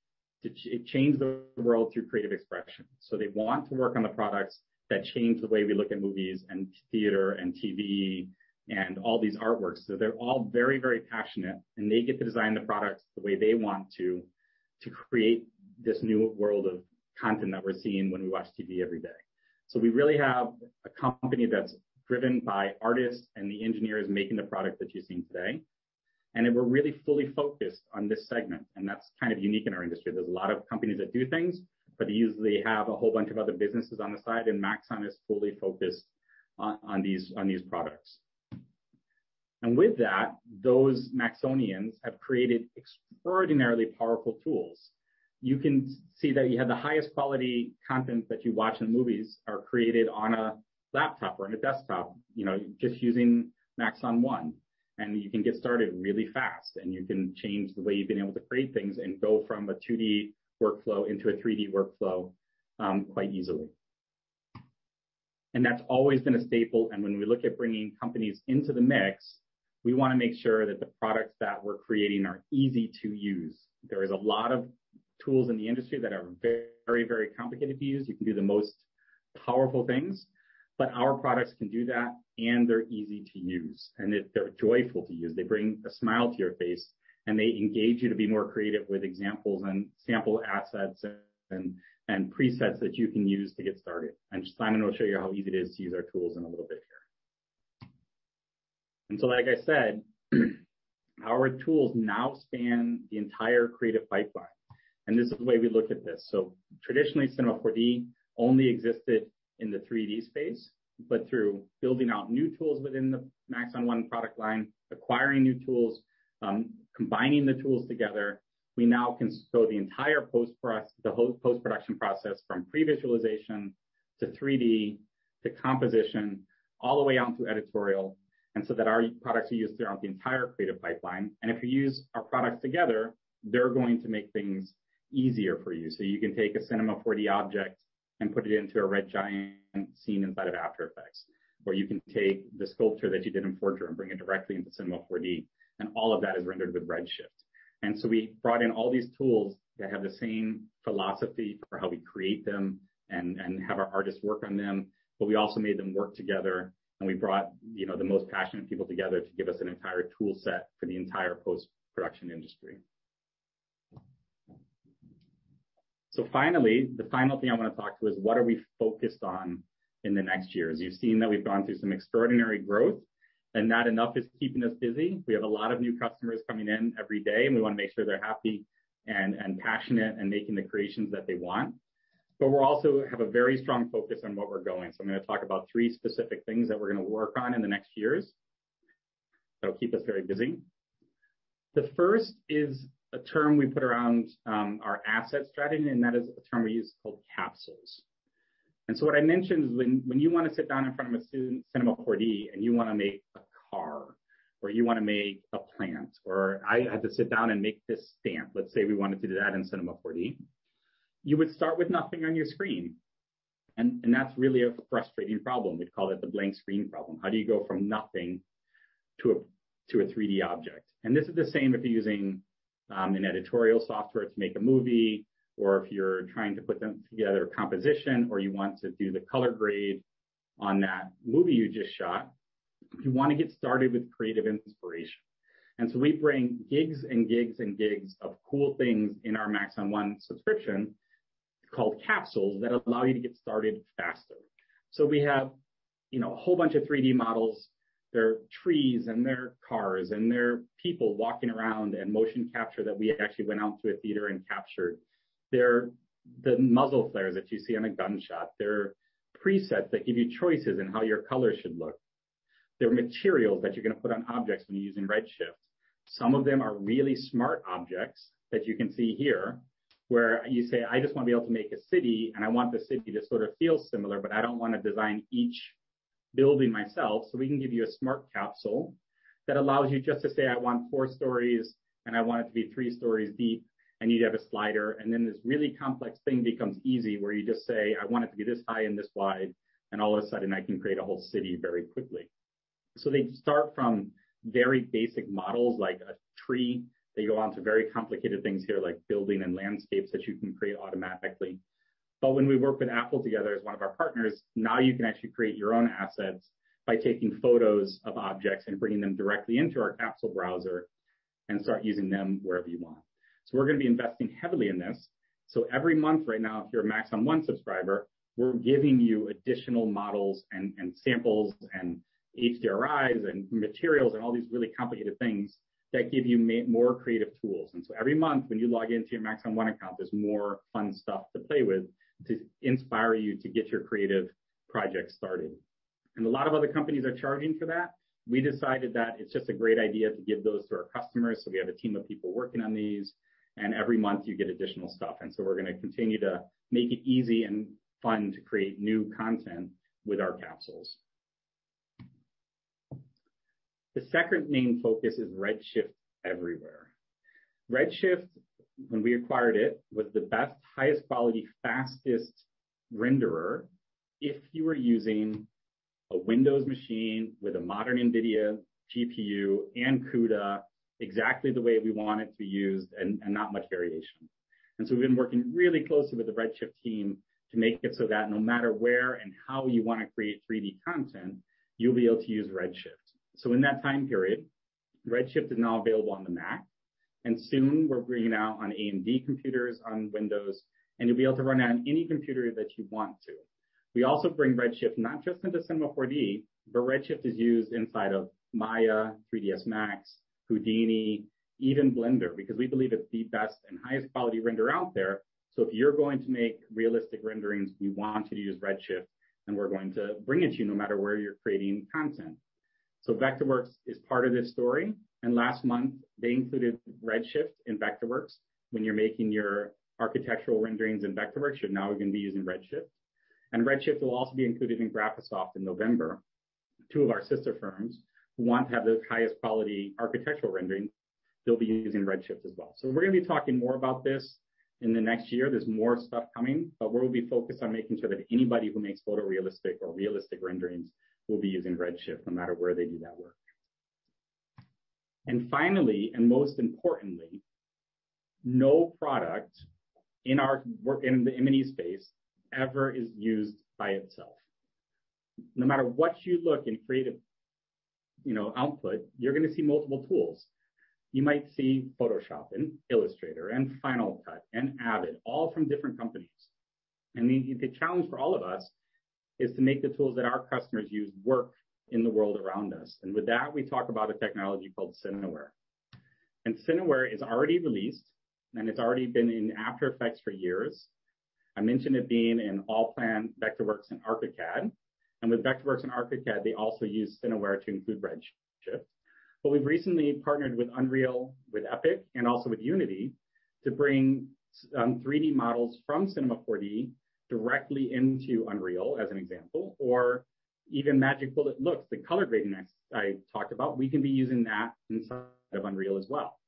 to change the world through creative expression. They want to work on the products that change the way we look at movies and theater and TV and all these artworks. They're all very, very passionate, and they get to design the products the way they want to create this new world of content that we're seeing when we watch TV every day. We really have a company that's driven by artists and the engineers making the product that you're seeing today, and we're really fully focused on this segment, and that's kind of unique in our industry. There's a lot of companies that do things, but they usually have a whole bunch of other businesses on the side, and Maxon is fully focused on these products. With that, those Maxonians have created extraordinarily powerful tools. You can see that you have the highest quality content that you watch in movies are created on a laptop or on a desktop just using Maxon One. You can get started really fast, and you can change the way you've been able to create things and go from a 2D workflow into a 3D workflow quite easily. That's always been a staple, and when we look at bringing companies into the mix, we want to make sure that the products that we're creating are easy to use. There is a lot of tools in the industry that are very, very complicated to use. You can do the most powerful things, but our products can do that, and they're easy to use, and they're joyful to use. They bring a smile to your face, and they engage you to be more creative with examples and sample assets and presets that you can use to get started. Simon will show you how easy it is to use our tools in a little bit here. Like I said, our tools now span the entire creative pipeline, and this is the way we look at this. Traditionally, Cinema 4D only existed in the 3D space, but through building out new tools within the Maxon One product line, acquiring new tools, combining the tools together, we now can show the entire post-production process from pre-visualization to 3D to composition, all the way out to editorial, and so that our products are used throughout the entire creative pipeline. If you use our products together, they're going to make things easier for you. You can take a Cinema 4D object and put it into a Red Giant scene inside of After Effects. You can take the sculpture that you did in Forger and bring it directly into Cinema 4D, and all of that is rendered with Redshift. We brought in all these tools that have the same philosophy for how we create them and have our artists work on them. We also made them work together, and we brought the most passionate people together to give us an entire toolset for the entire post-production industry. Finally, the final thing I want to talk to is what are we focused on in the next years. You've seen that we've gone through some extraordinary growth, and that enough is keeping us busy. We have a lot of new customers coming in every day. We want to make sure they're happy and passionate and making the creations that they want. We also have a very strong focus on where we're going. I'm going to talk about three specific things that we're going to work on in the next years that'll keep us very busy. The first is a term we put around our asset strategy. That is a term we use called Capsules. What I mentioned is when you want to sit down in front of a Cinema 4D and you want to make a car, or you want to make a plant, or I had to sit down and make this stamp. Let's say we wanted to do that in Cinema 4D. You would start with nothing on your screen. That's really a frustrating problem. We'd call it the blank screen problem. How do you go from nothing to a 3D object? This is the same if you're using an editorial software to make a movie, or if you're trying to put together a composition, or you want to do the color grade on that movie you just shot. You want to get started with creative inspiration. We bring gigs and gigs and gigs of cool things in our Maxon One subscription called Capsules that allow you to get started faster. We have a whole bunch of 3D models. There are trees, and there are cars, and there are people walking around and motion capture that we actually went out to a theater and captured. There are the muzzle flares that you see on a gunshot. There are presets that give you choices in how your colors should look. There are materials that you're going to put on objects when you're using Redshift. Some of them are really smart objects that you can see here, where you say, "I just want to be able to make a city, and I want the city to sort of feel similar, but I don't want to design each building myself." We can give you a smart Capsule that allows you just to say, "I want four stories, and I want it to be three stories deep," and you'd have a slider. Then this really complex thing becomes easy, where you just say, "I want it to be this high and this wide," and all of a sudden, I can create a whole city very quickly. They start from very basic models like a tree. They go on to very complicated things here, like building and landscapes that you can create automatically. When we work with Apple together as one of our partners, now you can actually create your own assets by taking photos of objects and bringing them directly into our capsule browser and start using them wherever you want. We're going to be investing heavily in this. Every month right now, if you're a Maxon One subscriber, we're giving you additional models and samples and HDRIs and materials and all these really complicated things that give you more creative tools. Every month, when you log into your Maxon One account, there's more fun stuff to play with to inspire you to get your creative project started. A lot of other companies are charging for that. We decided that it's just a great idea to give those to our customers, so we have a team of people working on these, and every month, you get additional stuff. So we're going to continue to make it easy and fun to create new content with our Capsules. The second main focus is Redshift Everywhere. Redshift, when we acquired it, was the best, highest quality, fastest renderer if you were using a Windows machine with a modern NVIDIA GPU and CUDA exactly the way we want it to be used and not much variation. So we've been working really closely with the Redshift team to make it so that no matter where and how you want to create 3D content, you'll be able to use Redshift. In that time period, Redshift is now available on the Mac, and soon we're bringing it out on AMD computers, on Windows, and you'll be able to run it on any computer that you want to. We also bring Redshift not just into Cinema 4D, but Redshift is used inside of Maya, 3ds Max, Houdini, even Blender, because we believe it's the best and highest quality renderer out there. If you're going to make realistic renderings, we want you to use Redshift, and we're going to bring it to you no matter where you're creating content. Vectorworks is part of this story, and last month they included Redshift in Vectorworks. When you're making your architectural renderings in Vectorworks, you're now going to be using Redshift. Redshift will also be included in Graphisoft in November. Two of our sister firms who want to have the highest quality architectural rendering, they'll be using Redshift as well. We're going to be talking more about this in the next year. There's more stuff coming, but we'll be focused on making sure that anybody who makes photorealistic or realistic renderings will be using Redshift no matter where they do that work. Finally, and most importantly, no product in the M&E space ever is used by itself. No matter what you look in creative output, you're going to see multiple tools. You might see Photoshop and Illustrator and Final Cut and Avid, all from different companies. The challenge for all of us is to make the tools that our customers use work in the world around us. With that, we talk about a technology called Cineware. Cineware is already released, and it's already been in After Effects for years. I mentioned it being in Allplan, Vectorworks, and Archicad. With Vectorworks and Archicad, they also use Cineware to include Redshift. We've recently partnered with Unreal, with Epic, and also with Unity to bring 3D models from Cinema 4D directly into Unreal, as an example, or even Magic Bullet Looks, the color grading I talked about. We can be using that inside of Unreal as well.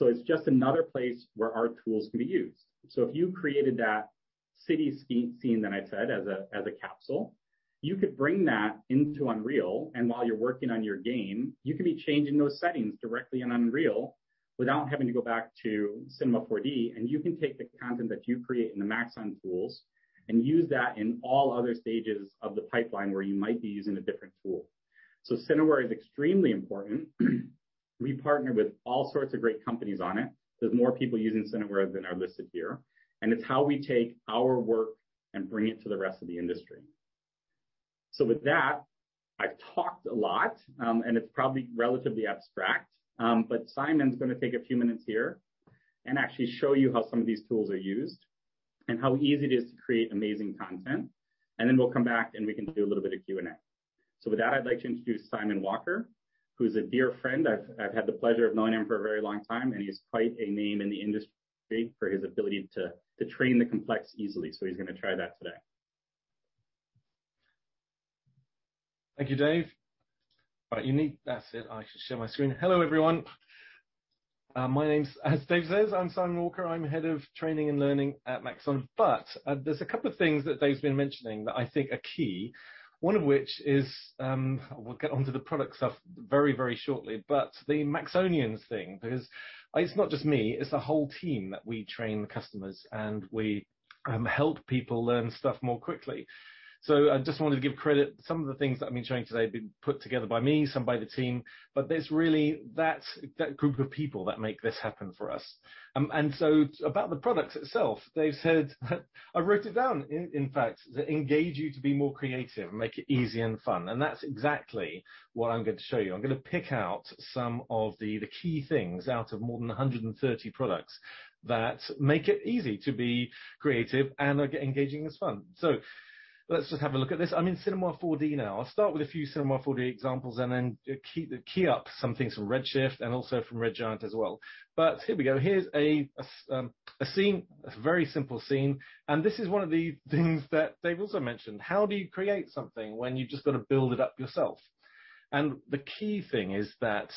It's just another place where our tools can be used. If you created that city scene that I said as a capsule, you could bring that into Unreal, and while you're working on your game, you can be changing those settings directly in Unreal without having to go back to Cinema 4D. You can take the content that you create in the Maxon tools and use that in all other stages of the pipeline where you might be using a different tool. Cineware is extremely important. We partner with all sorts of great companies on it. There's more people using Cineware than are listed here, and it's how we take our work and bring it to the rest of the industry. With that, I've talked a lot, and it's probably relatively abstract. Simon's going to take a few minutes here and actually show you how some of these tools are used and how easy it is to create amazing content. Then we'll come back, and we can do a little bit of Q&A. With that, I'd like to introduce Simon Walker, who's a dear friend. I've had the pleasure of knowing him for a very long time, and he's quite a name in the industry for his ability to train the complex easily. He's going to try that today. Thank you, Dave. Right. That's it. I should share my screen. Hello, everyone. My name's, as Dave says, I'm Simon Walker. I'm Head of Training and Learning at Maxon. There's a couple of things that Dave's been mentioning that I think are key, one of which is, we'll get onto the product stuff very shortly, the Maxonians thing, because it's not just me, it's the whole team that we train the customers, and we help people learn stuff more quickly. I just wanted to give credit. Some of the things that I've been showing today have been put together by me, some by the team, but it's really that group of people that make this happen for us. About the product itself, Dave said, I wrote it down, in fact, to engage you to be more creative and make it easy and fun. That's exactly what I'm going to show you. I'm going to pick out some of the key things out of more than 130 products that make it easy to be creative and are engaging and fun. Let's just have a look at this. I'm in Cinema 4D now. I'll start with a few Cinema 4D examples and then key up some things from Redshift and also from Red Giant as well. Here we go. Here's a scene, a very simple scene, and this is one of the things that Dave also mentioned. How do you create something when you've just got to build it up yourself? The key thing is that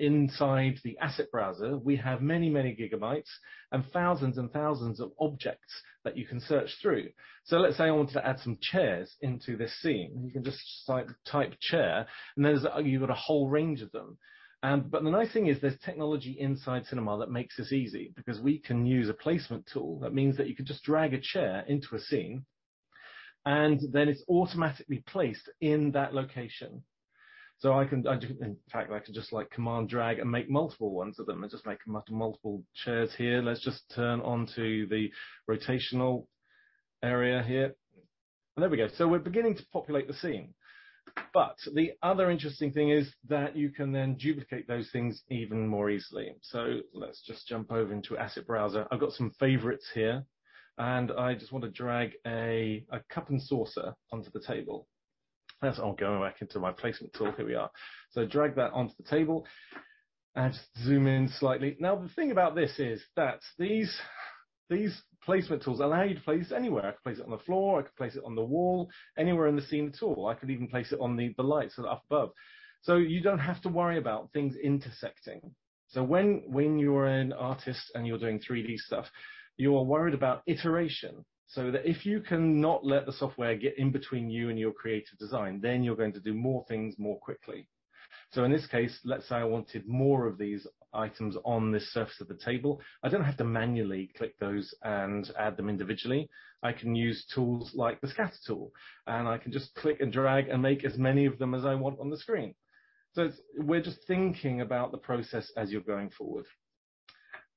inside the asset browser, we have many gigabytes and thousands and thousands of objects that you can search through. Let's say I wanted to add some chairs into this scene. You can just type chair, and you've got a whole range of them. The nice thing is there's technology inside Cinema that makes this easy because we can use a placement tool. That means that you can just drag a chair into a scene. Then it's automatically placed in that location. I can, in fact, I can just command drag and make multiple ones of them and just make multiple chairs here. Let's just turn onto the rotational area here. There we go. We're beginning to populate the scene. The other interesting thing is that you can then duplicate those things even more easily. Let's just jump over into asset browser. I've got some favorites here, and I just want to drag a cup and saucer onto the table. I'll go back into my placement tool. Here we are. Drag that onto the table and zoom in slightly. The thing about this is that these placement tools allow you to place anywhere. I could place it on the floor, I could place it on the wall, anywhere in the scene at all. I could even place it on the lights up above. You don't have to worry about things intersecting. When you're an artist and you're doing 3D stuff, you are worried about iteration, so that if you can not let the software get in between you and your creative design, then you're going to do more things more quickly. In this case, let's say I wanted more of these items on this surface of the table. I don't have to manually click those and add them individually. I can use tools like the scatter tool, and I can just click and drag and make as many of them as I want on the screen. We're just thinking about the process as you're going forward.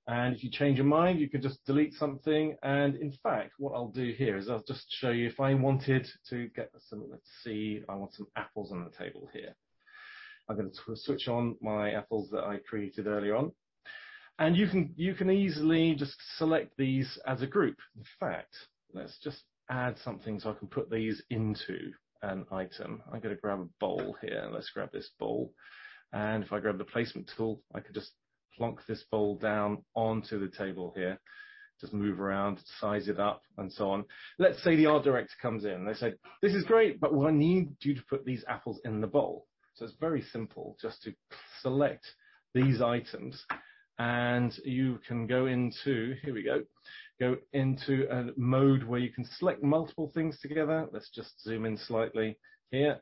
If you change your mind, you can just delete something, and in fact, what I'll do here is I'll just show you if I wanted to get some, let's see, I want some apples on the table here. I'm going to switch on my apples that I created earlier on. You can easily just select these as a group. In fact, let's just add something so I can put these into an item. I'm going to grab a bowl here. Let's grab this bowl. If I grab the placement tool, I can just plonk this bowl down onto the table here. Just move around, size it up, and so on. Let's say the art director comes in and they said, "This is great, but I need you to put these apples in the bowl." It's very simple just to select these items. You can go into a mode where you can select multiple things together. Let's just zoom in slightly here.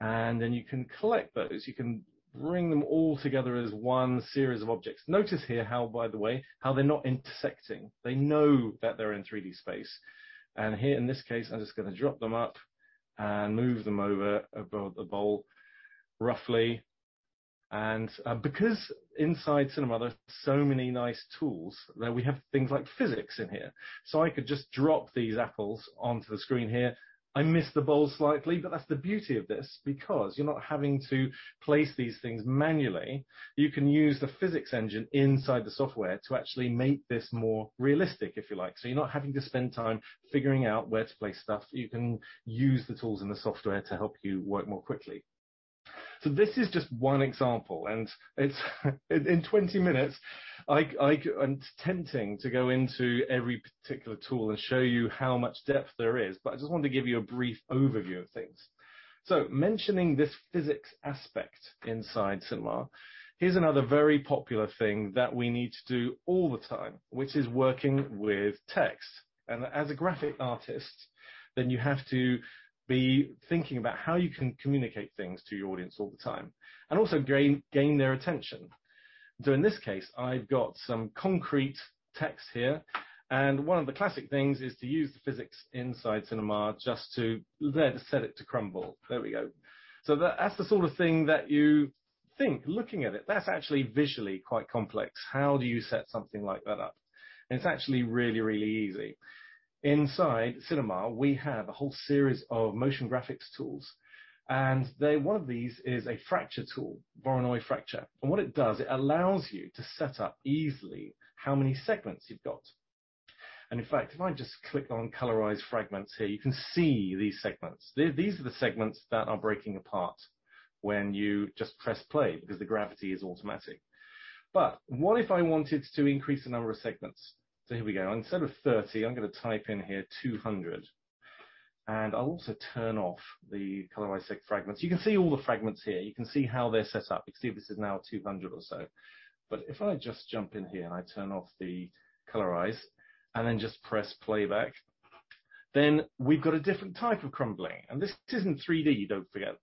You can collect those. You can bring them all together as one series of objects. Notice here how, by the way, how they're not intersecting. They know that they're in 3D space. Here, in this case, I'm just going to drop them up and move them over above the bowl, roughly. Because inside Cinema, there's so many nice tools that we have things like physics in here. I could just drop these apples onto the screen here. I missed the bowl slightly. That's the beauty of this, because you're not having to place these things manually. You can use the physics engine inside the software to actually make this more realistic, if you like. You're not having to spend time figuring out where to place stuff. You can use the tools in the software to help you work more quickly. This is just one example, and in 20 minutes, it's tempting to go into every particular tool and show you how much depth there is, but I just wanted to give you a brief overview of things. Mentioning this physics aspect inside Cinema, here's another very popular thing that we need to do all the time, which is working with text. As a graphic artist, you have to be thinking about how you can communicate things to your audience all the time, and also gain their attention. In this case, I've got some concrete text here, and one of the classic things is to use the physics inside Cinema just to set it to crumble. There we go. That's the sort of thing that you think, looking at it, that's actually visually quite complex. How do you set something like that up? It's actually really, really easy. Inside Cinema, we have a whole series of motion graphics tools, and one of these is a fracture tool, Voronoi Fracture. What it does, it allows you to set up easily how many segments you've got. In fact, if I just click on colorize fragments here, you can see these segments. These are the segments that are breaking apart when you just press play because the gravity is automatic. What if I wanted to increase the number of segments? Here we go. Instead of 30, I'm going to type in here 200. I'll also turn off the colorized fragments. You can see all the fragments here. You can see how they're set up. You can see this is now 200 or so. If I just jump in here and I turn off the colorize and then just press playback, we've got a different type of crumbling. This is in 3D, don't forget.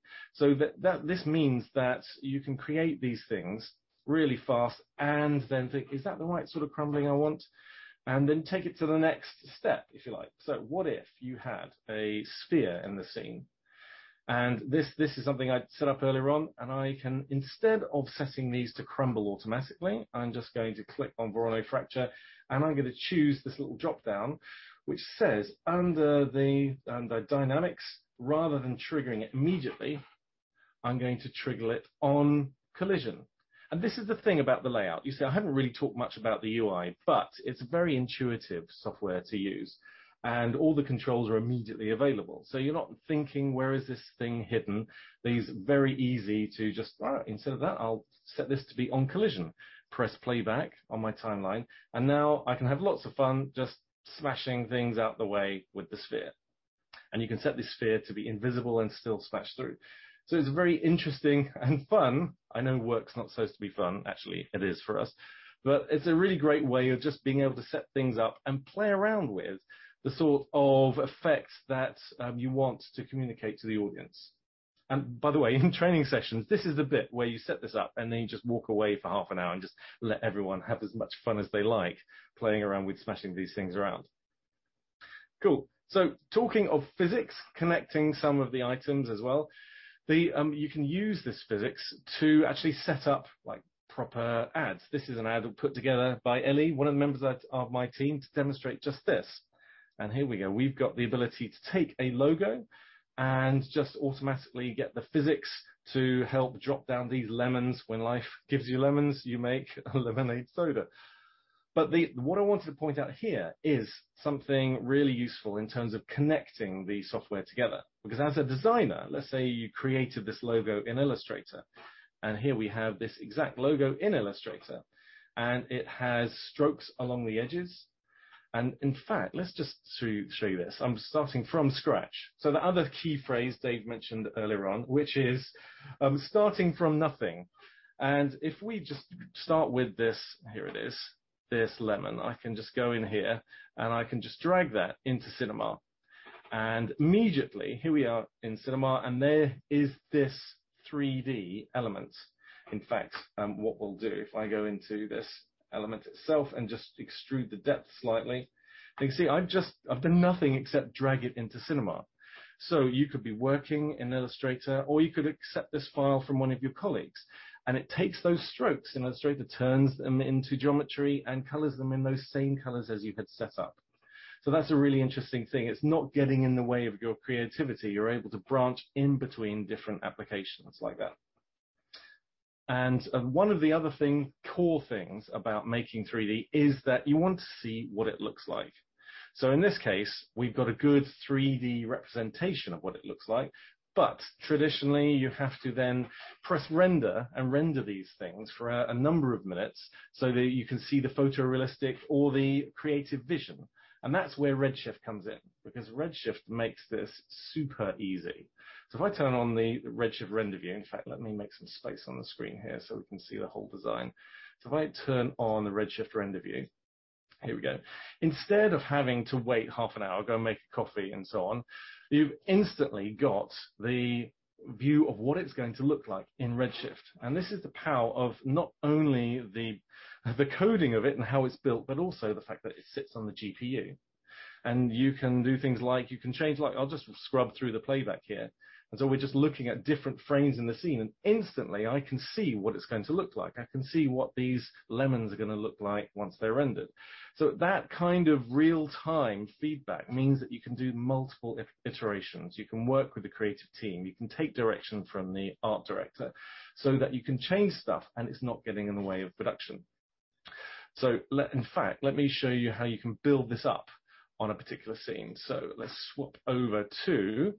This means that you can create these things really fast and then think, is that the right sort of crumbling I want? Take it to the next step, if you like. What if you had a sphere in the scene? This is something I'd set up earlier on, and I can, instead of setting these to crumble automatically, I'm just going to click on Voronoi Fracture, and I'm going to choose this little drop-down, which says under Dynamics, rather than triggering it immediately, I'm going to trigger it on collision. This is the thing about the layout. You see, I haven't really talked much about the UI, but it's very intuitive software to use, and all the controls are immediately available. You're not thinking, where is this thing hidden? These are very easy to just, instead of that, I'll set this to be on collision, press playback on my timeline, and now I can have lots of fun just smashing things out the way with the sphere. You can set this sphere to be invisible and still smash through. It's very interesting and fun. I know work's not supposed to be fun. Actually, it is for us. It's a really great way of just being able to set things up and play around with the sort of effects that you want to communicate to the audience. By the way, in training sessions, this is the bit where you set this up, and then you just walk away for half an hour and just let everyone have as much fun as they like playing around with smashing these things around. Cool. Talking of physics, connecting some of the items as well, you can use this physics to actually set up proper ads. This is an ad put together by Elly, one of the members of my team, to demonstrate just this. Here we go. We've got the ability to take a logo and just automatically get the physics to help drop down these lemons. When life gives you lemons, you make lemonade soda. What I wanted to point out here is something really useful in terms of connecting the software together. As a designer, let's say you created this logo in Illustrator, and here we have this exact logo in Illustrator, and it has strokes along the edges. In fact, let's just show you this. I'm starting from scratch. The other key phrase Dave mentioned earlier on, which is starting from nothing, and if we just start with this, here it is, this lemon, I can just go in here, and I can just drag that into Cinema. Immediately, here we are in Cinema, and there is this 3D element. In fact, what we'll do, if I go into this element itself and just extrude the depth slightly, you can see I've done nothing except drag it into Cinema. You could be working in Illustrator, or you could accept this file from one of your colleagues, and it takes those strokes in Illustrator, turns them into geometry, and colors them in those same colors as you had set up. That's a really interesting thing. It's not getting in the way of your creativity. You're able to branch in between different applications like that. One of the other core things about making 3D is that you want to see what it looks like. In this case, we've got a good 3D representation of what it looks like. Traditionally, you have to then press render and render these things for a number of minutes so that you can see the photorealistic or the creative vision. That's where Redshift comes in, because Redshift makes this super easy. If I turn on the Redshift render view, in fact, let me make some space on the screen here so we can see the whole design. If I turn on the Redshift render view, here we go. Instead of having to wait half an hour, go make a coffee, and so on, you've instantly got the view of what it's going to look like in Redshift. This is the power of not only the coding of it and how it's built, but also the fact that it sits on the GPU. You can do things like, I'll just scrub through the playback here. We're just looking at different frames in the scene, and instantly I can see what it's going to look like. I can see what these lemons are going to look like once they're rendered. That kind of real-time feedback means that you can do multiple iterations. You can work with the creative team, you can take direction from the art director so that you can change stuff, and it's not getting in the way of production. In fact, let me show you how you can build this up on a particular scene. Let's swap over to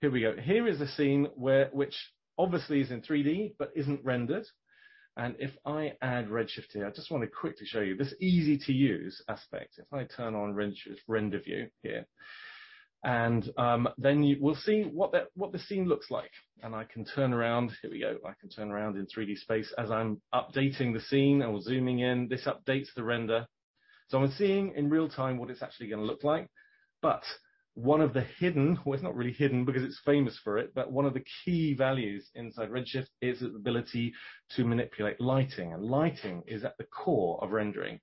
Here we go. Here is a scene which obviously is in 3D but isn't rendered. If I add Redshift here, I just want to quickly show you this easy-to-use aspect. If I turn on Redshift render view here, and then we'll see what the scene looks like. I can turn around. Here we go. I can turn around in 3D space. As I'm updating the scene or zooming in, this updates the render. I'm seeing in real time what it's actually going to look like. One of the hidden, well, it's not really hidden because it's famous for it, but one of the key values inside Redshift is its ability to manipulate lighting, and lighting is at the core of rendering.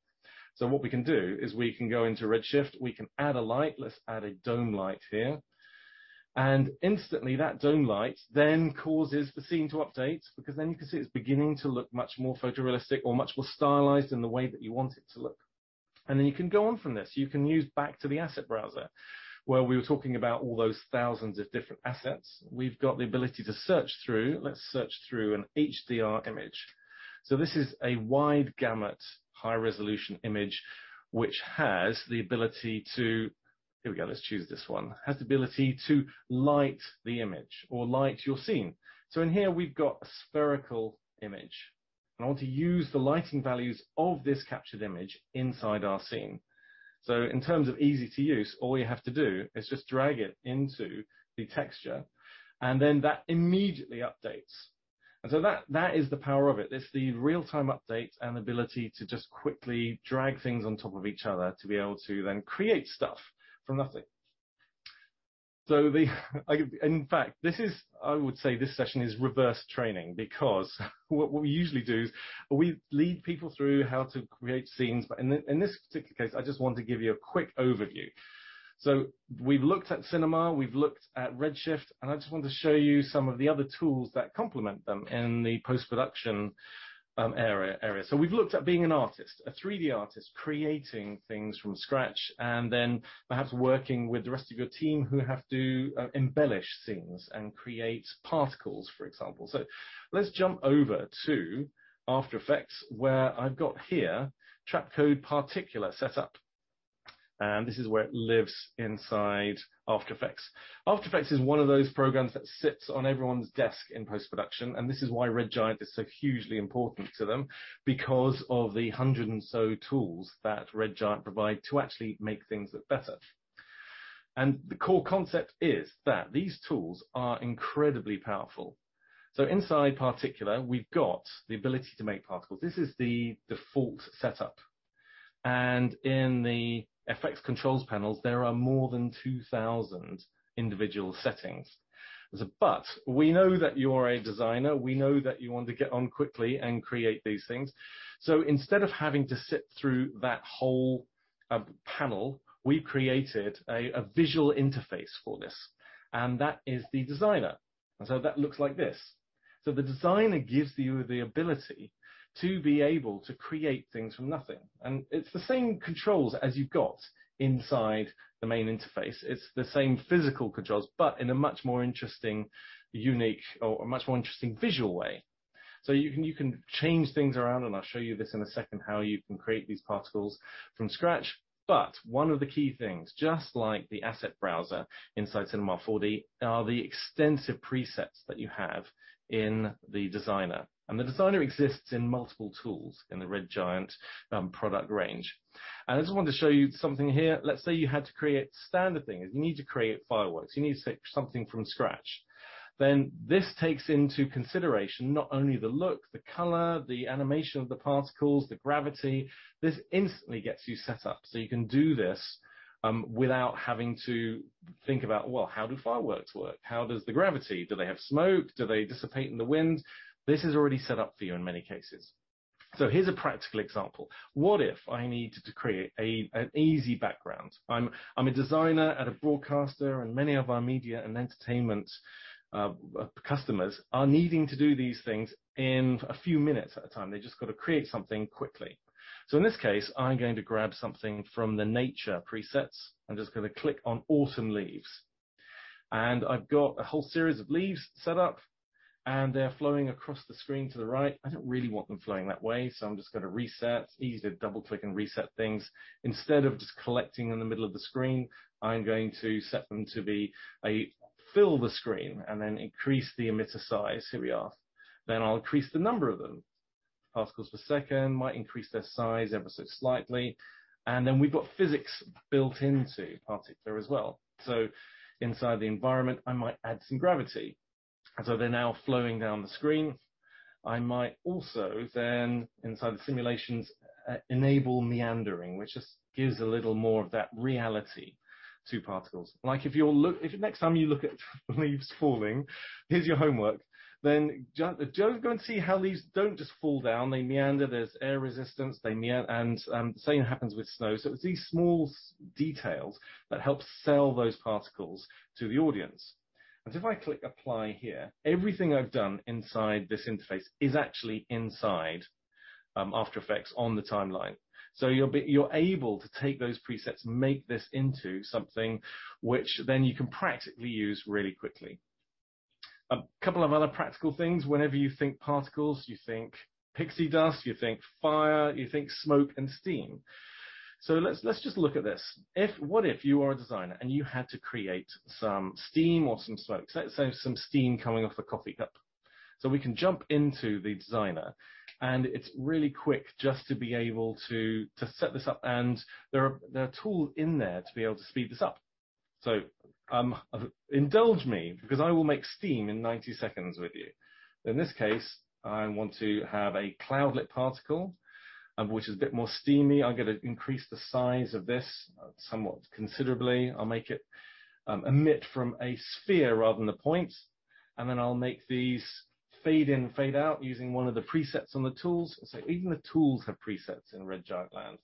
What we can do is we can go into Redshift, we can add a light. Let's add a dome light here. Instantly, that dome light then causes the scene to update because then you can see it's beginning to look much more photorealistic or much more stylized in the way that you want it to look. You can go on from this. You can use back to the asset browser where we were talking about all those thousands of different assets. We've got the ability to search through. Let's search through an HDR image. This is a wide gamut, high-resolution image, which has the ability. Here we go. Let's choose this one. It has the ability to light the image or light your scene. In here we've got a spherical image, and I want to use the lighting values of this captured image inside our scene. In terms of easy to use, all you have to do is just drag it into the texture, and then that immediately updates. That is the power of it. It's the real-time update and ability to just quickly drag things on top of each other to be able to then create stuff from nothing. In fact, I would say this session is reverse training because what we usually do is we lead people through how to create scenes. In this particular case, I just want to give you a quick overview. We've looked at Cinema, we've looked at Redshift, and I just want to show you some of the other tools that complement them in the post-production area. We've looked at being an artist, a 3D artist, creating things from scratch, and then perhaps working with the rest of your team who have to embellish things and create particles, for example. Let's jump over to After Effects, where I've got here Trapcode Particular set up, and this is where it lives inside After Effects. After Effects is one of those programs that sits on everyone's desk in post-production, and this is why Red Giant is so hugely important to them because of the 100 and so tools that Red Giant provide to actually make things look better. The core concept is that these tools are incredibly powerful. Inside Particular we've got the ability to make particles. This is the default setup, and in the effects controls panels, there are more than 2,000 individual settings. We know that you're a designer, we know that you want to get on quickly and create these things, so instead of having to sit through that whole panel, we created a visual interface for this, and that is the Designer. That looks like this. The Designer gives you the ability to be able to create things from nothing, and it's the same controls as you've got inside the main interface. It's the same physical controls, but in a much more interesting, unique or much more interesting visual way. You can change things around, and I'll show you this in a second, how you can create these particles from scratch. One of the key things, just like the asset browser inside Cinema 4D, are the extensive presets that you have in the Designer. The Designer exists in multiple tools in the Red Giant product range. I just wanted to show you something here. Let's say you had to create standard things. You need to create fireworks. You need to take something from scratch. This takes into consideration not only the look, the color, the animation of the particles, the gravity. This instantly gets you set up so you can do this, without having to think about, well, how do fireworks work? Do they have smoke? Do they dissipate in the wind? This is already set up for you in many cases. Here's a practical example. What if I needed to create an easy background? I'm a designer at a broadcaster, and many of our Media & Entertainment customers are needing to do these things in a few minutes at a time. They've just got to create something quickly. In this case, I'm going to grab something from the nature presets. I'm just going to click on autumn leaves, and I've got a whole series of leaves set up, and they're flowing across the screen to the right. I don't really want them flowing that way. I'm just going to reset. It's easy to double click and reset things. Instead of just collecting in the middle of the screen, I'm going to set them to be a fill the screen. I'll increase the emitter size. Here we are. I'll increase the number of them. Particles per second, might increase their size ever so slightly. We've got physics built into Particular as well. Inside the environment, I might add some gravity. They're now flowing down the screen. I might also then, inside the simulations, enable meandering, which just gives a little more of that reality to particles. If next time you look at leaves falling, here's your homework, then go and see how leaves don't just fall down, they meander. There's air resistance. They meander, same happens with snow. It's these small details that help sell those particles to the audience. If I click apply here, everything I've done inside this interface is actually inside After Effects on the timeline. You're able to take those presets and make this into something which then you can practically use really quickly. A couple of other practical things. Whenever you think particles, you think pixie dust, you think fire, you think smoke and steam. Let's just look at this. What if you are a designer, and you had to create some steam or some smoke, let's say some steam coming off a coffee cup. We can jump into the Designer, and it's really quick just to be able to set this up. There are tools in there to be able to speed this up. Indulge me, because I will make steam in 90 seconds with you. In this case, I want to have a cloudlet particle, which is a bit more steamy. I've got to increase the size of this somewhat considerably. I'll make it emit from a sphere rather than the points, and then I'll make these fade in, fade out using one of the presets on the tools. Even the tools have presets in Red Giant land.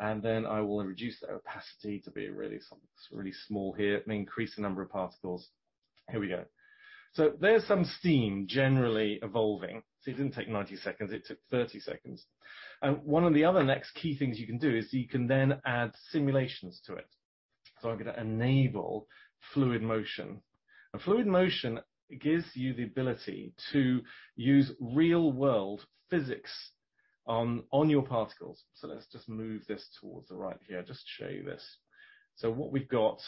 I will reduce the opacity to be really small here and increase the number of particles. Here we go. There's some steam generally evolving. See, it didn't take 90 seconds. It took 30 seconds. One of the other next key things you can do is you can then add simulations to it. I'm going to enable fluid motion. Fluid motion gives you the ability to use real world physics on your particles. Let's just move this towards the right here just to show you this. What we've got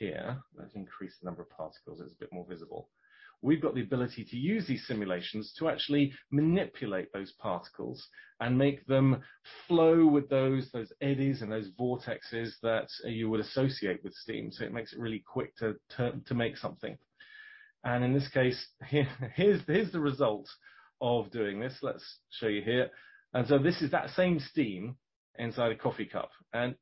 here, let's increase the number of particles. It's a bit more visible. We've got the ability to use these simulations to actually manipulate those particles and make them flow with those eddies and those vortexes that you would associate with steam. It makes it really quick to make something. In this case, here's the result of doing this. Let's show you here. This is that same steam inside a coffee cup.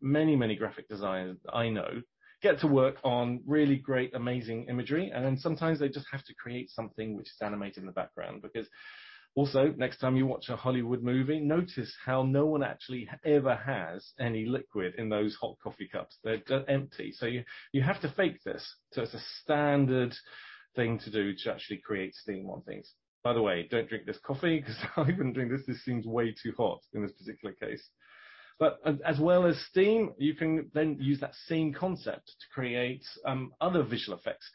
Many, many graphic designers that I know get to work on really great, amazing imagery, and then sometimes they just have to create something which is animated in the background because also, next time you watch a Hollywood movie, notice how no one actually ever has any liquid in those hot coffee cups. They're empty, so you have to fake this. It's a standard thing to do to actually create steam on things. By the way, don't drink this coffee because I wouldn't drink this. This seems way too hot in this particular case. As well as steam, you can then use that same concept to create other visual effects.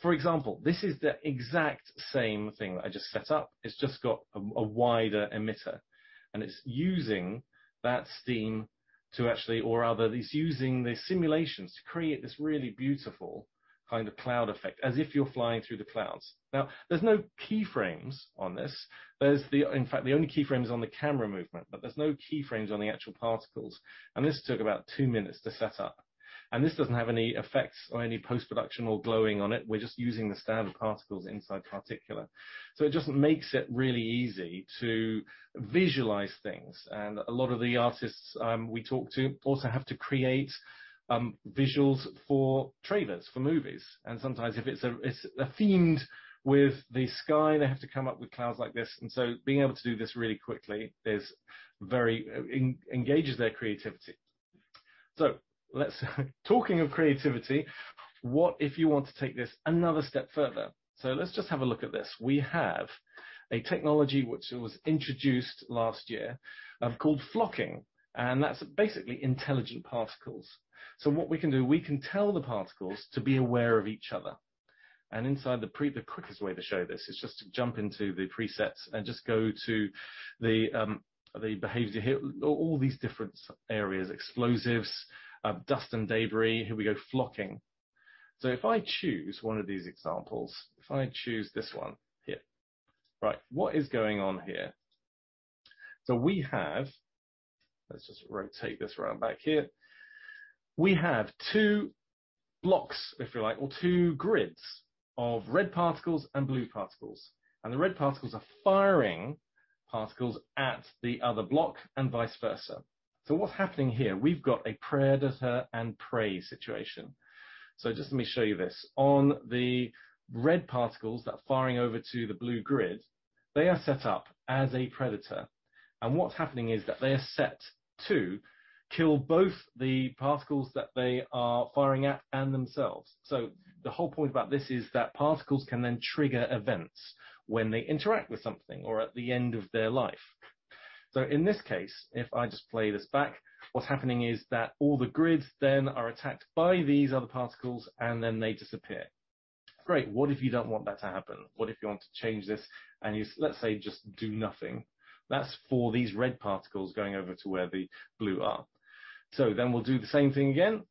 For example, this is the exact same thing that I just set up. It's just got a wider emitter, and it's using that steam to actually, or rather it's using the simulations to create this really beautiful cloud effect, as if you're flying through the clouds. There's no key frames on this. In fact, the only key frame is on the camera movement, but there's no key frames on the actual particles, and this took about two minutes to set up. This doesn't have any effects or any post-production or glowing on it. We're just using the standard particles inside Particular. It just makes it really easy to visualize things, and a lot of the artists we talk to also have to create visuals for trailers for movies, and sometimes if it's themed with the sky, they have to come up with clouds like this. Being able to do this really quickly engages their creativity. Talking of creativity, what if you want to take this another step further? Let's just have a look at this. We have a technology which was introduced last year called flocking, and that's basically intelligent particles. What we can do, we can tell the particles to be aware of each other. The quickest way to show this is just to jump into the presets and just go to the behavior here, all these different areas, explosives, dust and debris. Here we go, flocking. If I choose one of these examples, if I choose this one here. Right. What is going on here? We have, let's just rotate this around back here. We have two blocks, if you like, or two grids of red particles and blue particles, and the red particles are firing particles at the other block, and vice versa. What's happening here? We've got a predator and prey situation. Just let me show you this. On the red particles that are firing over to the blue grid, they are set up as a predator, and what's happening is that they are set to kill both the particles that they are firing at and themselves. The whole point about this is that particles can then trigger events when they interact with something or at the end of their life. In this case, if I just play this back, what's happening is that all the grid then are attacked by these other particles, and then they disappear. Great. What if you don't want that to happen? What if you want to change this and let's say, just do nothing? That's for these red particles going over to where the blue are. We'll do the same thing again,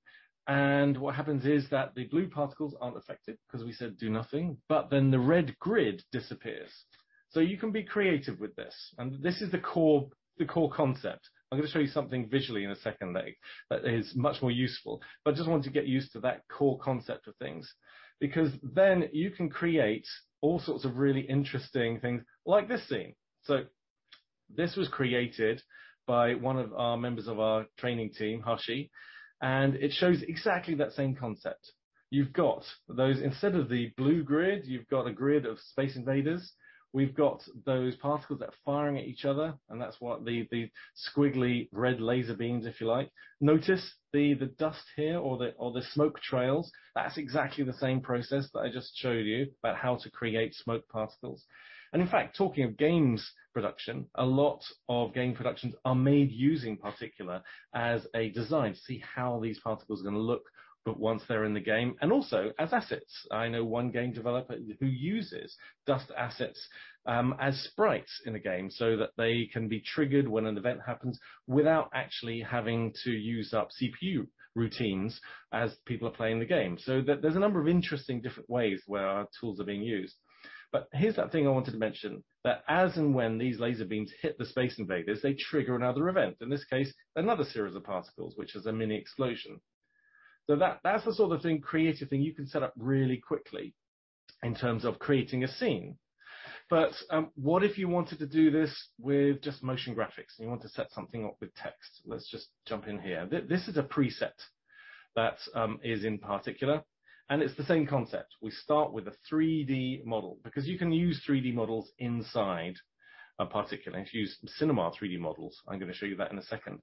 and what happens is that the blue particles aren't affected because we said, "Do nothing," but then the red grid disappears. You can be creative with this, and this is the core concept. I'm going to show you something visually in a second that is much more useful, but I just want to get used to that core concept of things, because then you can create all sorts of really interesting things like this scene. This was created by one of our members of our training team, Hashi, and it shows exactly that same concept. Instead of the blue grid, you've got a grid of space invaders. We've got those particles that are firing at each other, and that's what the squiggly red laser beams, if you like. Notice the dust here or the smoke trails. That's exactly the same process that I just showed you about how to create smoke particles. In fact, talking of games production, a lot of game productions are made using Particular as a design to see how these particles are going to look, but once they're in the game, and also as assets. I know one game developer who uses dust assets as sprites in a game so that they can be triggered when an event happens without actually having to use up CPU routines as people are playing the game. There's a number of interesting different ways where our tools are being used. Here's that thing I wanted to mention, that as and when these laser beams hit the space invaders, they trigger another event. In this case, another series of particles, which is a mini explosion. That's the sort of creative thing you can set up really quickly in terms of creating a scene. What if you wanted to do this with just motion graphics and you want to set something up with text? Let's just jump in here. This is a preset that is in Particular, and it's the same concept. We start with a 3D model, because you can use 3D models inside of Particular. You can use Cinema 4D models. I'm going to show you that in a second.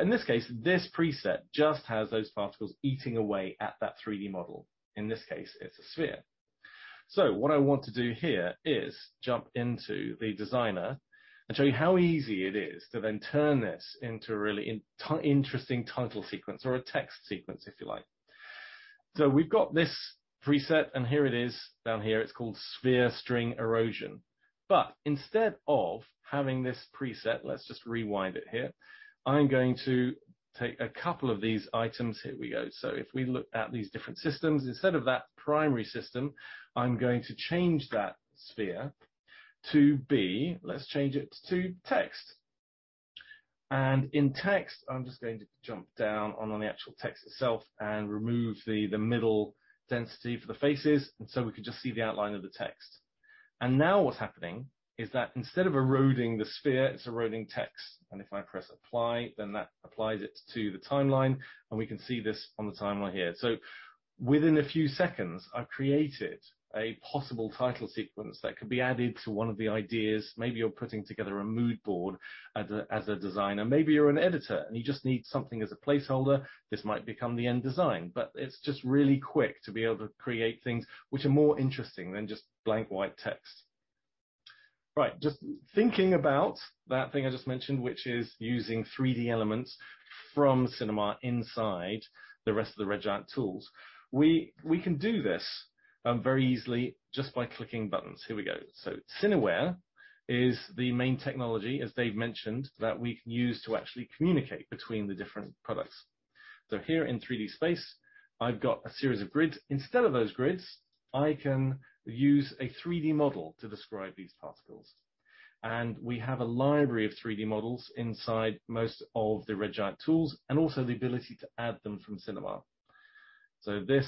In this case, this preset just has those particles eating away at that 3D model. In this case, it's a sphere. What I want to do here is jump into the designer and show you how easy it is to then turn this into a really interesting title sequence or a text sequence, if you like. We've got this preset, and here it is down here. It's called sphere string erosion. Instead of having this preset, let's just rewind it here. I'm going to take a couple of these items. Here we go. If we look at these different systems, instead of that primary system, I'm going to change that sphere to be, let's change it to text. In text, I'm just going to jump down on the actual text itself and remove the middle density for the faces, and so we can just see the outline of the text. Now what's happening is that instead of eroding the sphere, it's eroding text. If I press apply, then that applies it to the timeline, and we can see this on the timeline here. Within a few seconds, I've created a possible title sequence that could be added to one of the ideas. Maybe you're putting together a mood board as a designer. Maybe you're an editor and you just need something as a placeholder. This might become the end design. It's just really quick to be able to create things which are more interesting than just blank white text. Right. Just thinking about that thing I just mentioned, which is using 3D elements from Cinema inside the rest of the Red Giant tools. We can do this very easily just by clicking buttons. Here we go. Cineware is the main technology, as Dave mentioned, that we can use to actually communicate between the different products. Here in 3D space, I've got a series of grids. Instead of those grids, I can use a 3D model to describe these particles. We have a library of 3D models inside most of the Red Giant tools and also the ability to add them from Cinema.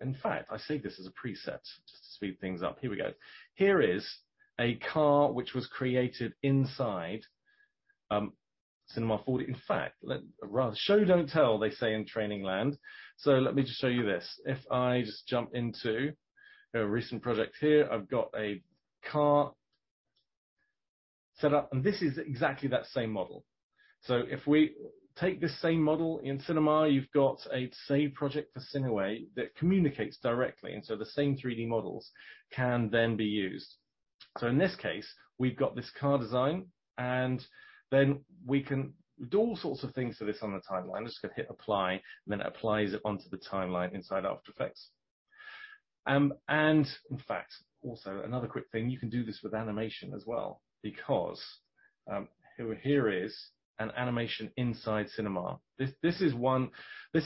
In fact, I save this as a preset just to speed things up. Here we go. Here is a car which was created inside Cinema 4D. In fact, show don't tell, they say in training land. Let me just show you this. If I just jump into a recent project here, I've got a car set up, and this is exactly that same model. If we take this same model in Cinema, you've got a save project for Cineware that communicates directly, and so the same 3D models can then be used. In this case, we've got this car design, and then we can do all sorts of things to this on the timeline. I'm just going to hit apply, and then it applies it onto the timeline inside After Effects. In fact, also another quick thing, you can do this with animation as well because here is an animation inside Cinema. This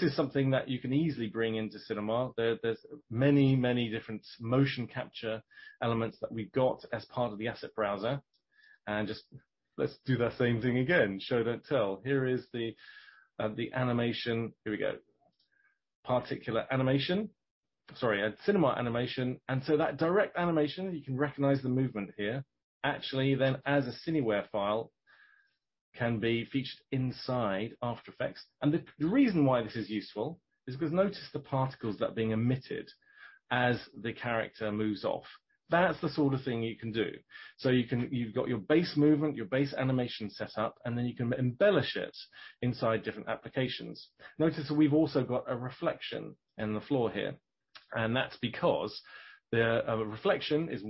is something that you can easily bring into Cinema. There's many different motion capture elements that we've got as part of the asset browser. Let's do that same thing again. Show don't tell. Here is the animation. Here we go. Particular animation. Sorry, a Cinema animation. That direct animation, you can recognize the movement here, actually then as a Cineware file can be featured inside After Effects. The reason why this is useful is because notice the particles that are being emitted as the character moves off. That's the sort of thing you can do. You've got your base movement, your base animation set up, and then you can embellish it inside different applications. Notice that we've also got a reflection in the floor here, and that's because the reflection is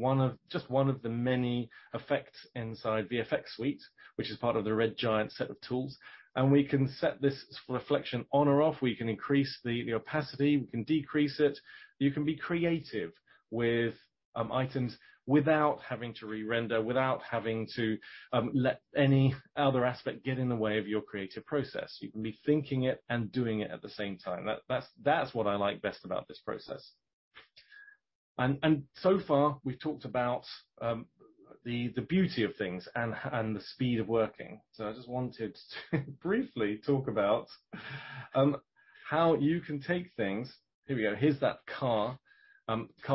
just one of the many effects inside VFX Suite, which is part of the Red Giant set of tools. We can set this reflection on or off. We can increase the opacity, we can decrease it. You can be creative with items without having to re-render, without having to let any other aspect get in the way of your creative process. You can be thinking it and doing it at the same time. That's what I like best about this process. So far, we've talked about the beauty of things and the speed of working. I just wanted to briefly talk about how you can take things. Here we go. Here's that car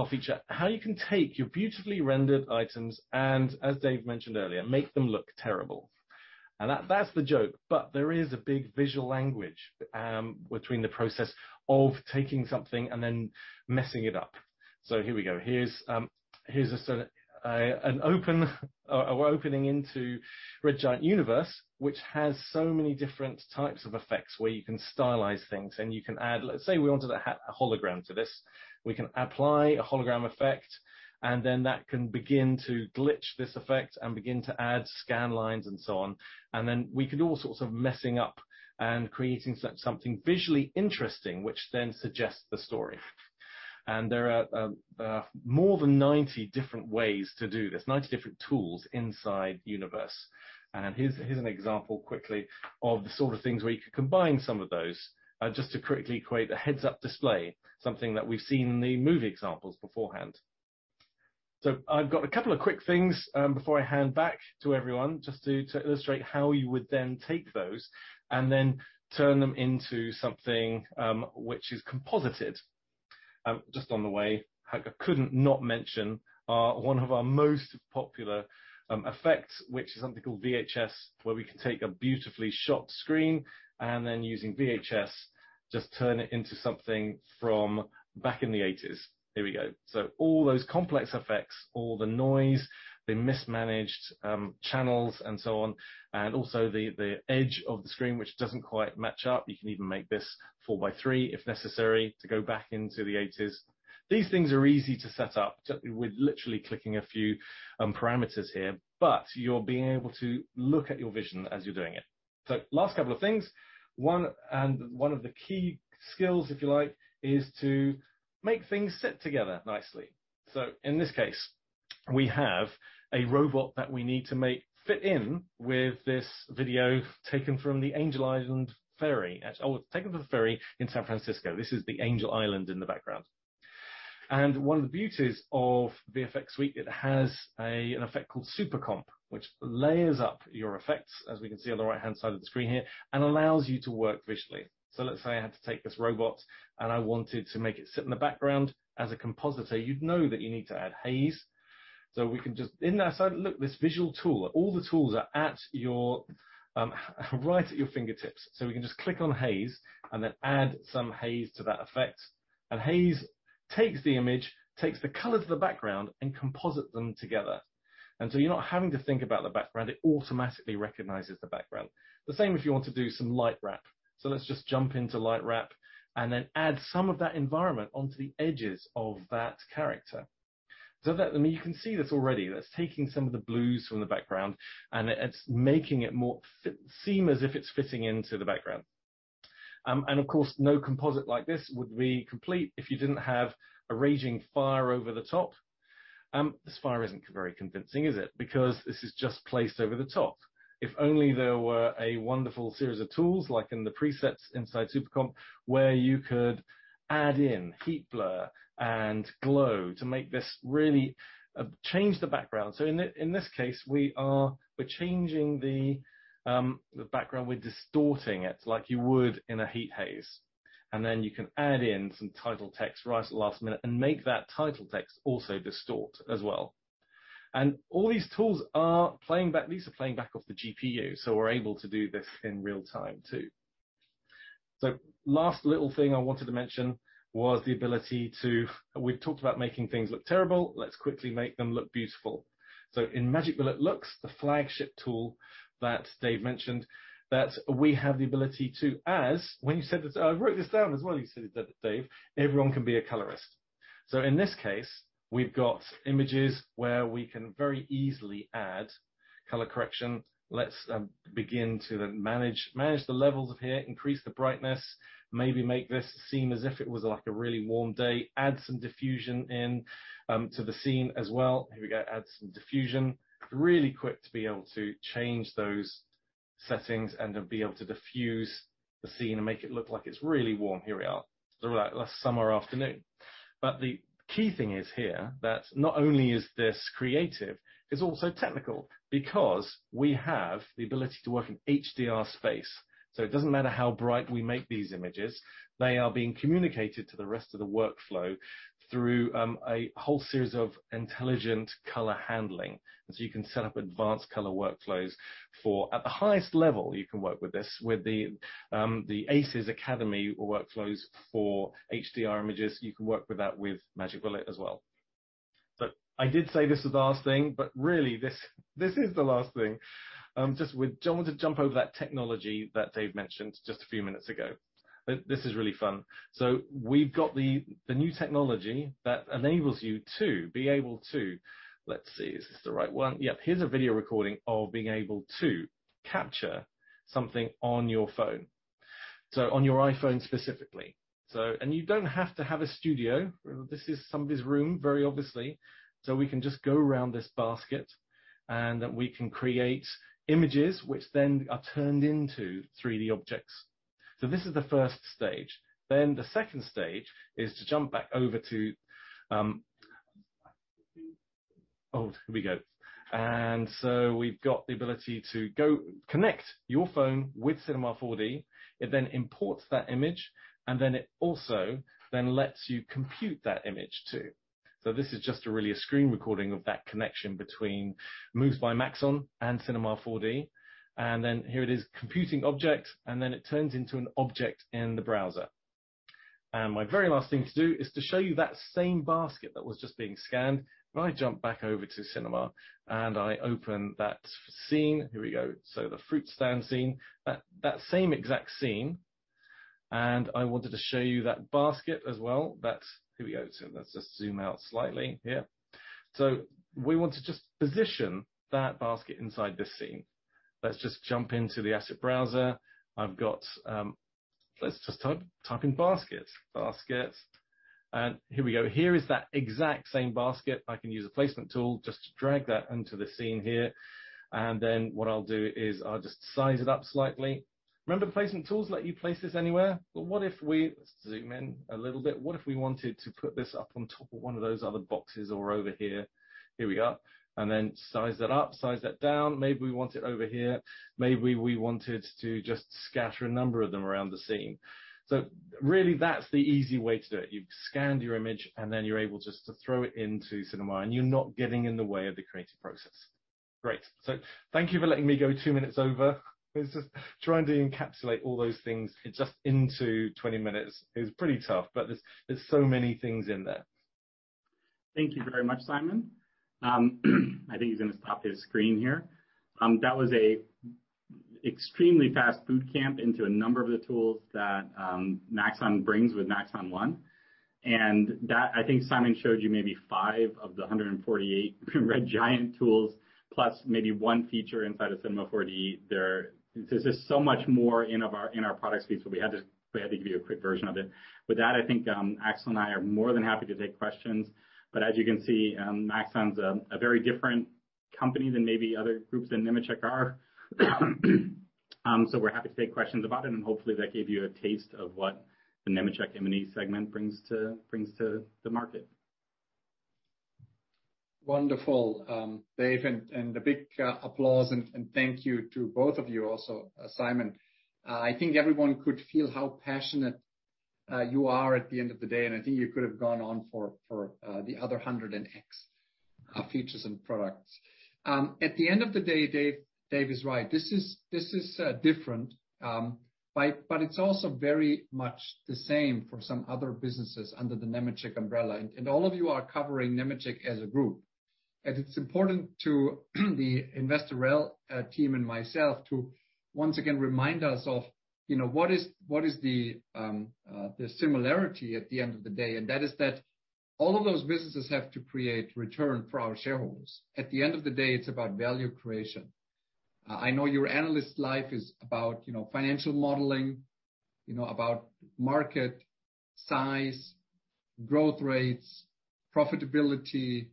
feature. How you can take your beautifully rendered items and, as Dave mentioned earlier, make them look terrible. That's the joke, but there is a big visual language between the process of taking something and then messing it up. Here we go. Here's an opening into Red Giant Universe, which has so many different types of effects where you can stylize things and you can add. Let's say we wanted to add a hologram to this. We can apply a hologram effect, and then that can begin to glitch this effect and begin to add scan lines and so on. Then we can do all sorts of messing up and creating something visually interesting, which then suggests the story. There are more than 90 different ways to do this, 90 different tools inside Universe. Here's an example quickly of the sort of things where you could combine some of those, just to quickly create a heads-up display, something that we've seen in the movie examples beforehand. I've got a couple of quick things before I hand back to everyone just to illustrate how you would then take those and then turn them into something which is composited. Just on the way, I couldn't not mention one of our most popular effects, which is something called VHS, where we can take a beautifully shot screen, and then using VHS, just turn it into something from back in the 1980s. Here we go. All those complex effects, all the noise, the mismanaged channels, and so on, and also the edge of the screen, which doesn't quite match up. You can even make this four by three if necessary to go back into the 1980s. These things are easy to set up with literally clicking a few parameters here, but you're being able to look at your vision as you're doing it. Last couple of things. One of the key skills, if you like, is to make things sit together nicely. In this case, we have a robot that we need to make fit in with this video taken from the Angel Island ferry. Oh, taken from the ferry in San Francisco. This is the Angel Island in the background. One of the beauties of VFX Suite, it has an effect called Supercomp, which layers up your effects as we can see on the right-hand side of the screen here, and allows you to work visually. Let's say I had to take this robot and I wanted to make it sit in the background. As a compositor, you'd know that you need to add haze. We can just, in that side, look, this visual tool. All the tools are right at your fingertips. We can just click on haze and then add some haze to that effect, and haze takes the image, takes the color to the background, and composite them together. You're not having to think about the background. It automatically recognizes the background. The same if you want to do some light wrap. Let's just jump into light wrap and then add some of that environment onto the edges of that character. You can see this already. That's taking some of the blues from the background, and it's making it more seem as if it's fitting into the background. Of course, no composite like this would be complete if you didn't have a raging fire over the top. This fire isn't very convincing, is it, because this is just placed over the top. If only there were a wonderful series of tools, like in the presets inside Supercomp, where you could add in heat blur and glow to make this really change the background. In this case, we're changing the background. We're distorting it like you would in a heat haze. You can add in some title text right at the last minute and make that title text also distort as well. All these tools are playing back. These are playing back off the GPU, we're able to do this in real time too. Last little thing I wanted to mention. We've talked about making things look terrible. Let's quickly make them look beautiful. In Magic Bullet Looks, the flagship tool that Dave mentioned, that we have the ability to as When you said this, I wrote this down as well, you said it, Dave, everyone can be a colorist. In this case, we've got images where we can very easily add color correction. Let's begin to manage the levels of here, increase the brightness, maybe make this seem as if it was like a really warm day. Add some diffusion in to the scene as well. Here we go. Add some diffusion. Really quick to be able to change those settings and to be able to diffuse the scene and make it look like it's really warm. Here we are. Like a summer afternoon. The key thing is here, that not only is this creative, it's also technical because we have the ability to work in HDR space. It doesn't matter how bright we make these images, they are being communicated to the rest of the workflow through a whole series of intelligent color handling. You can set up advanced color workflows for at the highest level, you can work with this. With the ACES Academy workflows for HDR images, you can work with that with Magic Bullet as well. I did say this is the last thing, really this is the last thing. I wanted to jump over that technology that Dave mentioned just a few minutes ago. This is really fun. We've got the new technology that enables you to be able to. Is this the right one? Yep. Here's a video recording of being able to capture something on your iPhone specifically. You don't have to have a studio. This is somebody's room, very obviously. We can just go around this basket, we can create images which then are turned into 3D objects. This is the first stage. The second stage is to jump back over to. We've got the ability to go connect your phone with Cinema 4D. It then imports that image. It also then lets you compute that image too. This is just really a screen recording of that connection between Moves by Maxon and Cinema 4D, and then here it is computing objects, and then it turns into an object in the browser. My very last thing to do is to show you that same basket that was just being scanned. If I jump back over to Cinema, and I open that scene. Here we go. The fruit stand scene, that same exact scene, and I wanted to show you that basket as well. Here we go. Let's just zoom out slightly here. We want to just position that basket inside this scene. Let's just jump into the asset browser. Let's just type in basket. Basket. Here we go. Here is that exact same basket. I can use a placement tool just to drag that into the scene here. What I'll do is I'll just size it up slightly. Remember, placement tools let you place this anywhere. Let's zoom in a little bit. What if we wanted to put this up on top of one of those other boxes or over here? Here we go. Size that up, size that down. Maybe we want it over here. Maybe we wanted to just scatter a number of them around the scene. Really that's the easy way to do it. You've scanned your image, and then you're able just to throw it into Cinema, and you're not getting in the way of the creative process. Great. Thank you for letting me go two minutes over. It's just trying to encapsulate all those things just into 20 minutes is pretty tough. There's so many things in there. Thank you very much, Simon. I think he's going to stop his screen here. That was a extremely fast boot camp into a number of the tools that Maxon brings with Maxon One, and that, I think Simon showed you maybe five of the 148 Red Giant tools, plus maybe one feature inside of Cinema 4D. There's just so much more in our product suite, so we had to give you a quick version of it. With that, I think Axel and I are more than happy to take questions. As you can see, Maxon's a very different company than maybe other groups in Nemetschek are. We're happy to take questions about it, and hopefully, that gave you a taste of what the Nemetschek M&E segment brings to the market. Wonderful, Dave, and a big applause and thank you to both of you also, Simon. I think everyone could feel how passionate you are at the end of the day, and I think you could have gone on for the other 100 and x features and products. At the end of the day, Dave is right. This is different, but it's also very much the same for some other businesses under the Nemetschek umbrella. All of you are covering Nemetschek as a group. It's important to the investor relations team and myself to once again remind us of what is the similarity at the end of the day, and that is that all of those businesses have to create return for our shareholders. At the end of the day, it's about value creation. I know your analyst life is about financial modeling, about market size, growth rates, profitability,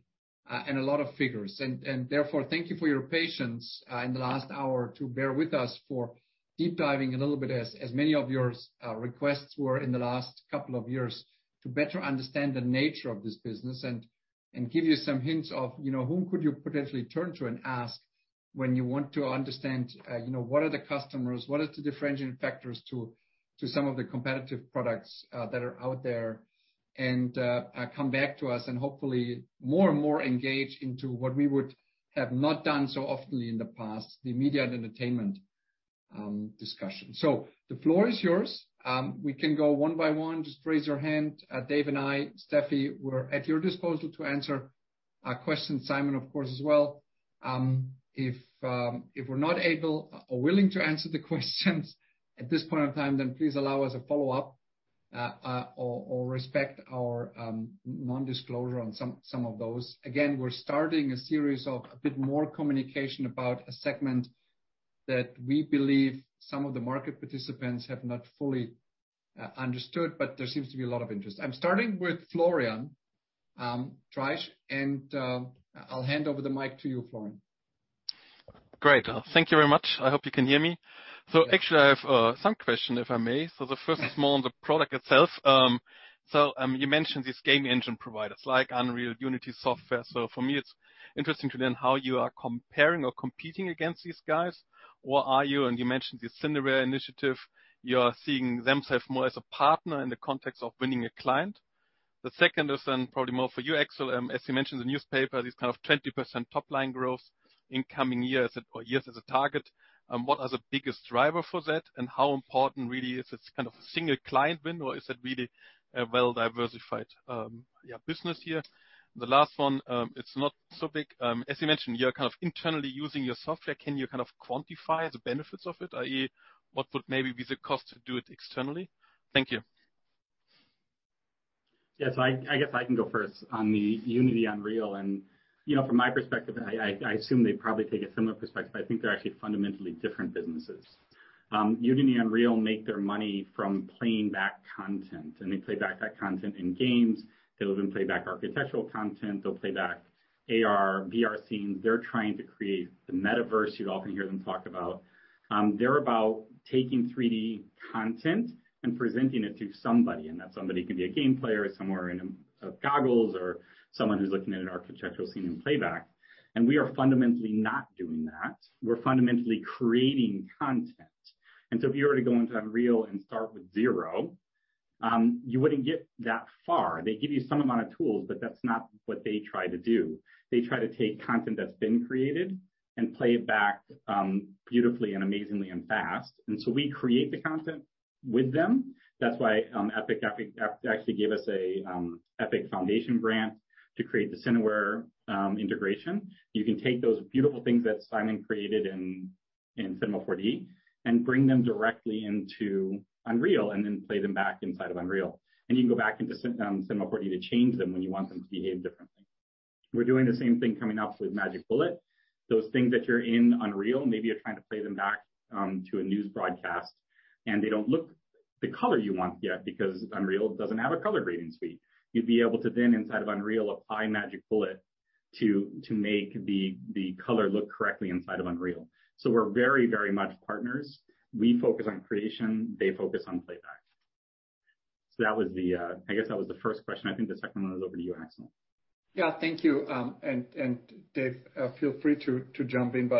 and a lot of figures. Therefore, thank you for your patience in the last hour to bear with us for deep diving a little bit, as many of your requests were in the last couple of years, to better understand the nature of this business, and give you some hints of whom could you potentially turn to and ask when you want to understand what are the customers, what is the differentiating factors to some of the competitive products that are out there, and come back to us and hopefully more and more engaged into what we would have not done so often in the past, the Media & Entertainment discussion. The floor is yours. We can go one by one. Just raise your hand. Dave and I, Stefanie, we're at your disposal to answer questions. Simon, of course, as well. If we're not able or willing to answer the questions at this point in time, then please allow us a follow-up, or respect our non-disclosure on some of those. We're starting a series of a bit more communication about a segment that we believe some of the market participants have not fully understood, but there seems to be a lot of interest. I'm starting with Florian Treisch, I'll hand over the mic to you, Florian. Great. Thank you very much. I hope you can hear me. Actually, I have some question, if I may. The first is more on the product itself. You mentioned these game engine providers like Unreal, Unity software. For me, it's interesting to learn how you are comparing or competing against these guys, or are you, and you mentioned the Cineware initiative. You are seeing themself more as a partner in the context of winning a client. The second is then probably more for you, Axel, as you mentioned in the newspaper, this kind of 20% top-line growth in coming years or years as a target. What are the biggest driver for that, and how important really is this kind of a single client win, or is it really a well-diversified business here? The last one, it's not so big. As you mentioned, you're kind of internally using your software. Can you kind of quantify the benefits of it, i.e., what would maybe be the cost to do it externally? Thank you. Yes, I guess I can go first on the Unity Unreal. From my perspective, I assume they probably take a similar perspective. I think they're actually fundamentally different businesses. Unity and Unreal make their money from playing back content, and they play back that content in games. They'll even play back architectural content. They'll play back AR, VR scenes. They're trying to create the metaverse you often hear them talk about. They're about taking 3D content and presenting it to somebody, and that somebody can be a game player somewhere in goggles or someone who's looking at an architectural scene in playback. We are fundamentally not doing that. We're fundamentally creating content. If you were to go into Unreal and start with zero, you wouldn't get that far. They give you some amount of tools, but that's not what they try to do. They try to take content that's been created and play it back beautifully and amazingly and fast. We create the content with them. That's why Epic actually gave us an Epic MegaGrants grant to create the Cineware integration. You can take those beautiful things that Simon created in Cinema 4D and bring them directly into Unreal, play them back inside of Unreal. You can go back into Cinema 4D to change them when you want them to behave differently. We're doing the same thing coming up with Magic Bullet. Those things that you're in Unreal, maybe you're trying to play them back to a news broadcast, they don't look the color you want yet because Unreal doesn't have a color grading suite. You'd be able to then inside of Unreal apply Magic Bullet to make the color look correctly inside of Unreal. We're very, very much partners. We focus on creation. They focus on playback. That was the first question. I think the second one is over to you, Axel. Yeah, thank you. Dave, feel free to jump in.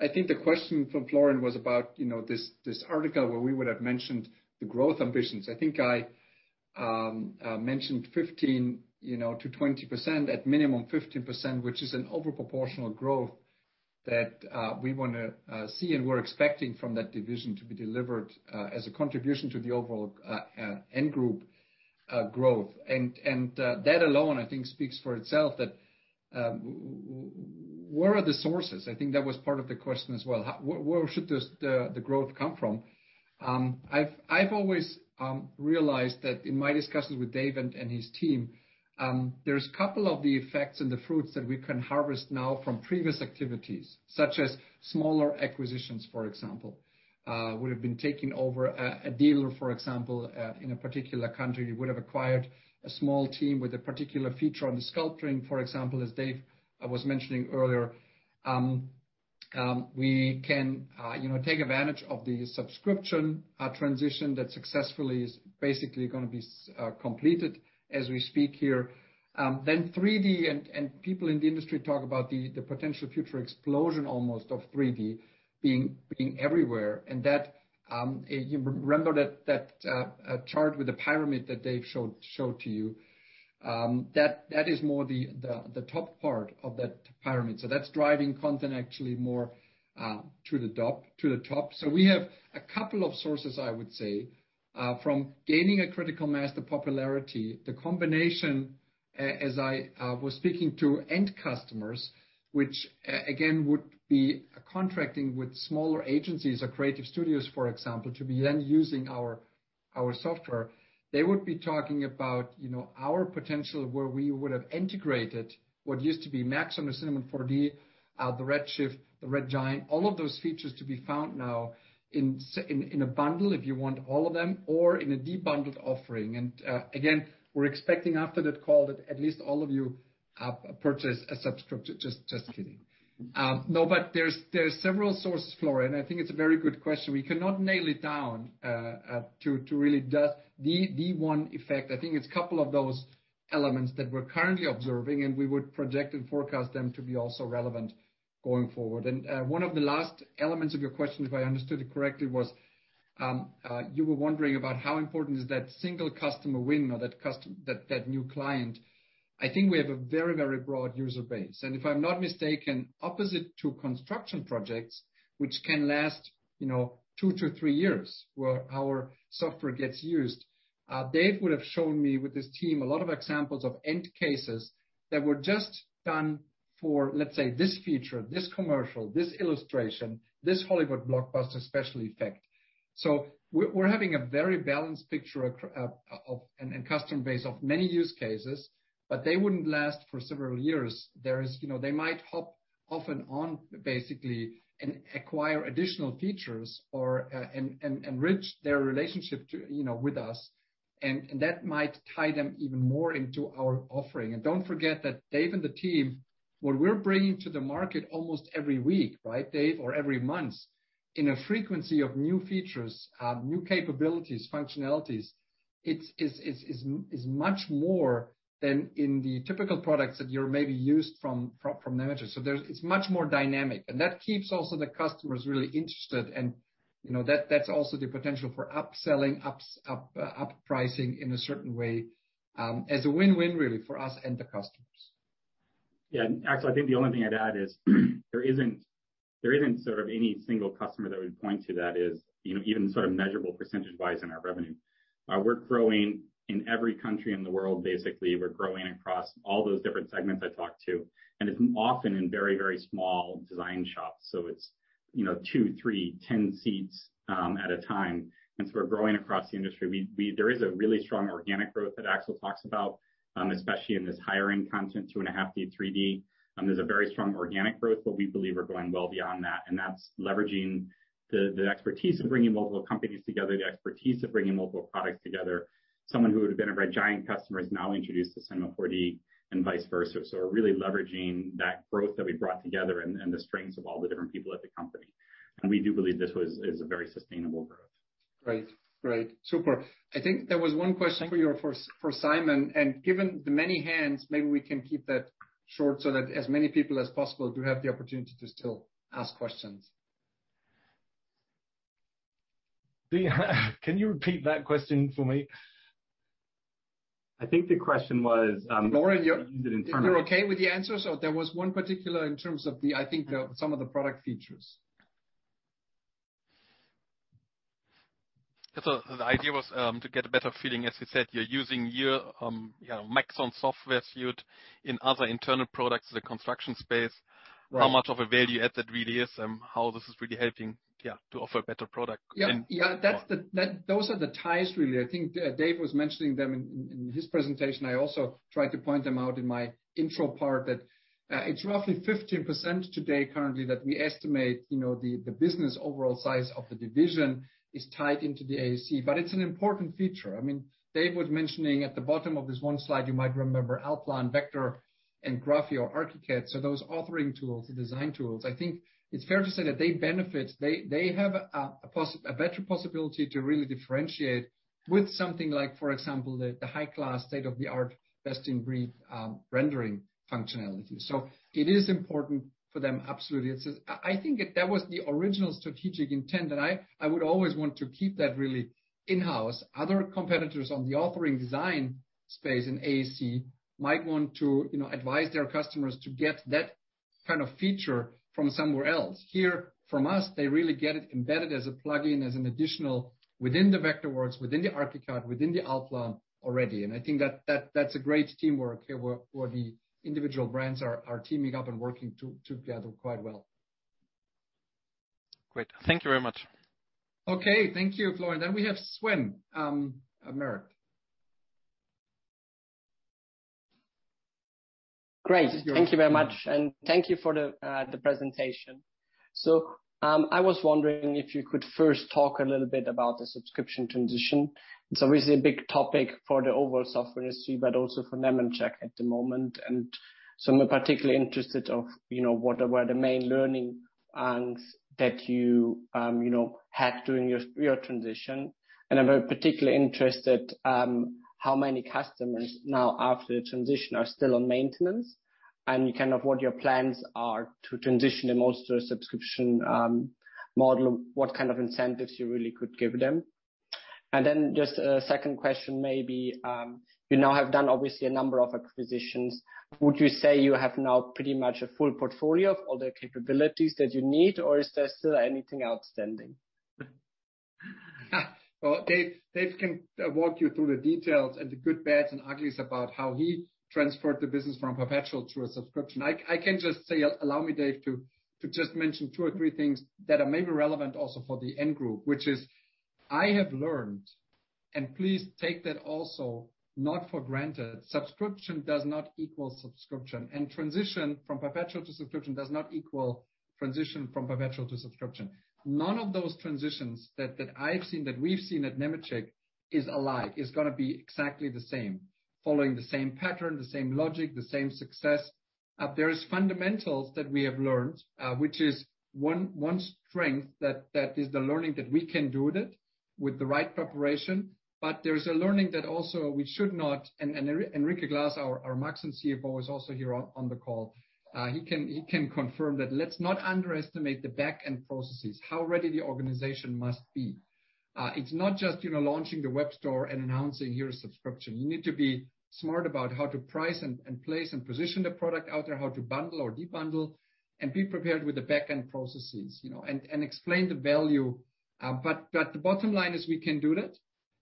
I think the question from Florian was about this article where we would have mentioned the growth ambitions. I think I mentioned 15%-20%, at minimum 15%, which is an overproportional growth that we want to see and we're expecting from that division to be delivered as a contribution to the overall Group growth. That alone, I think speaks for itself that where are the sources? I think that was part of the question as well. Where should the growth come from? I've always realized that in my discussions with Dave and his team, there's a couple of the effects and the fruits that we can harvest now from previous activities, such as smaller acquisitions, for example. We have been taking over a dealer, for example, in a particular country. We would have acquired a small team with a particular feature on the sculpting, for example, as Dave was mentioning earlier. We can take advantage of the subscription transition that successfully is basically going to be completed as we speak here. 3D and people in the industry talk about the potential future explosion almost of 3D being everywhere. That, you remember that chart with the pyramid that Dave showed to you? That is more the top part of that pyramid. That's driving content actually more to the top. We have a couple of sources, I would say, from gaining a critical mass to popularity. The combination, as I was speaking to end customers, which again, would be contracting with smaller agencies or creative studios, for example, to be then using our software, they would be talking about our potential where we would have integrated what used to be Maxon or Cinema 4D, the Redshift, the Red Giant, all of those features to be found now in a bundle if you want all of them or in a de-bundled offering. Again, we're expecting after that call that at least all of you purchase a subscript. Just kidding. No, there's several sources, Florian. I think it's a very good question. We cannot nail it down to really just the one effect. I think it's a couple of those elements that we're currently observing, and we would project and forecast them to be also relevant going forward. One of the last elements of your question, if I understood it correctly, was, you were wondering about how important is that single customer win or that new client. I think we have a very broad user base. If I'm not mistaken, opposite to construction projects, which can last two to three years, where our software gets used. Dave would have shown me with his team a lot of examples of end cases that were just done for, let's say, this feature, this commercial, this illustration, this Hollywood blockbuster special effect. We're having a very balanced picture and customer base of many use cases, but they wouldn't last for several years. They might hop off and on basically and acquire additional features or, enrich their relationship with us. That might tie them even more into our offering. Don't forget that Dave and the team, what we're bringing to the market almost every week, right, Dave? Every month in a frequency of new features, new capabilities, functionalities. It's much more than in the typical products that you're maybe used from Nemetschek. It's much more dynamic, and that keeps also the customers really interested and that's also the potential for upselling, up pricing in a certain way, as a win-win really for us and the customers. Yeah. Axel, I think the only thing I'd add is there isn't sort of any single customer that we point to that is even sort of measurable percentage-wise in our revenue. We're growing in every country in the world, basically. We're growing across all those different segments I talked to. It's often in very small design shops. It's two, three, 10 seats at a time. We're growing across the industry. There is a really strong organic growth that Axel talks about, especially in this higher-end content, 2.5D, 3D. There's a very strong organic growth, we believe we're going well beyond that, and that's leveraging the expertise of bringing multiple companies together, the expertise of bringing multiple products together. Someone who would've been a Red Giant customer is now introduced to Cinema 4D and vice versa. We're really leveraging that growth that we brought together and the strengths of all the different people at the company. We do believe this is a very sustainable growth. Great. Super. I think there was one question for Simon, and given the many hands, maybe we can keep that short so that as many people as possible do have the opportunity to still ask questions. Can you repeat that question for me? I think the question was- Florian- To use it internally. if you're okay with the answer, there was one particular in terms of, I think some of the product features. The idea was to get a better feeling. As you said, you're using your Maxon software suite in other internal products in the construction space. Right. How much of a value add that really is, how this is really helping to offer a better product. Those are the ties really. I think Dave was mentioning them in his presentation. I also tried to point them out in my intro part that it's roughly 15% today currently that we estimate the business overall size of the division is tied into the AEC, but it's an important feature. Dave was mentioning at the bottom of this one slide, you might remember, Allplan, Vectorworks, and Graphisoft, Archicad. Those authoring tools, the design tools, I think it's fair to say that they benefit. They have a better possibility to really differentiate with something like, for example, the high-class state-of-the-art best-in-breed rendering functionality. It is important for them, absolutely. I think that was the original strategic intent, and I would always want to keep that really in-house. Other competitors on the authoring design space in AEC might want to advise their customers to get that kind of feature from somewhere else. Here, from us, they really get it embedded as a plug-in, as an additional within the Vectorworks, within the Archicad, within the Allplan already. I think that's a great teamwork where the individual brands are teaming up and working together quite well. Great. Thank you very much. Okay. Thank you, Florian. We have Sven Merkt. Great. Thank you very much, and thank you for the presentation. I was wondering if you could first talk a little bit about the subscription transition. It's obviously a big topic for the overall software suite, but also for Nemetschek at the moment. I'm particularly interested of what were the main learning, that you had during your transition, and I'm particularly interested how many customers now after the transition are still on maintenance and kind of what your plans are to transition them also to a subscription model, what kind of incentives you really could give them. Just a second question, maybe. You now have done obviously a number of acquisitions. Would you say you have now pretty much a full portfolio of all the capabilities that you need, or is there still anything outstanding? Well, Dave can walk you through the details and the good, bad, and uglies about how he transferred the business from perpetual to a subscription. I can just say, allow me, Dave, to just mention two or three things that are maybe relevant also for the end group, which is I have learned. Please take that also not for granted. Subscription does not equal subscription, and transition from perpetual to subscription does not equal transition from perpetual to subscription. None of those transitions that I've seen, that we've seen at Nemetschek is alike, is going to be exactly the same, following the same pattern, the same logic, the same success. There is fundamentals that we have learned, which is one strength, that is the learning that we can do it with the right preparation. There is a learning that also we should not. Enrique Glas, our Maxon CFO, is also here on the call. He can confirm that let's not underestimate the back-end processes, how ready the organization must be. It's not just launching the web store and announcing your subscription. You need to be smart about how to price and place and position the product out there, how to bundle or de-bundle, and be prepared with the back-end processes, and explain the value. The bottom line is we can do that,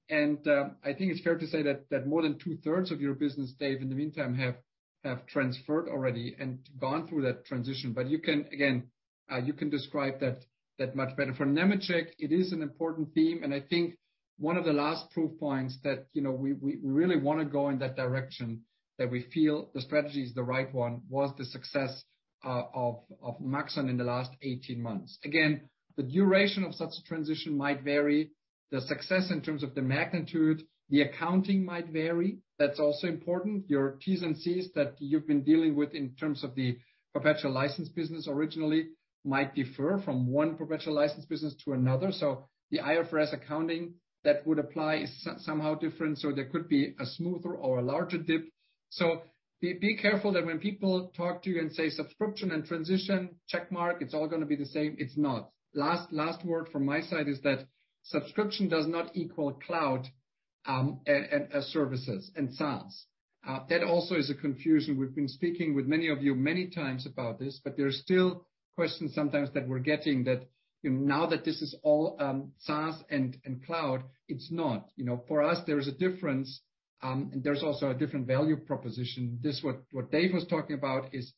and I think it's fair to say that more than 2/3 of your business, Dave, in the meantime, have transferred already and gone through that transition. You can, again, you can describe that much better. For Nemetschek, it is an important theme, and I think one of the last proof points that we really want to go in that direction, that we feel the strategy is the right one, was the success of Maxon in the last 18 months. Again, the duration of such a transition might vary. The success in terms of the magnitude, the accounting might vary. That's also important. Your T&Cs that you've been dealing with in terms of the perpetual license business originally might differ from one perpetual license business to another. The IFRS accounting that would apply is somehow different, so there could be a smoother or a larger dip. Be careful that when people talk to you and say subscription and transition, check mark, it's all going to be the same. It's not. Last word from my side is that subscription does not equal cloud as services and SaaS. That also is a confusion. We've been speaking with many of you many times about this, but there are still questions sometimes that we're getting that, now that this is all SaaS and cloud, it's not. For us, there is a difference, and there's also a different value proposition. This what Dave was talking about is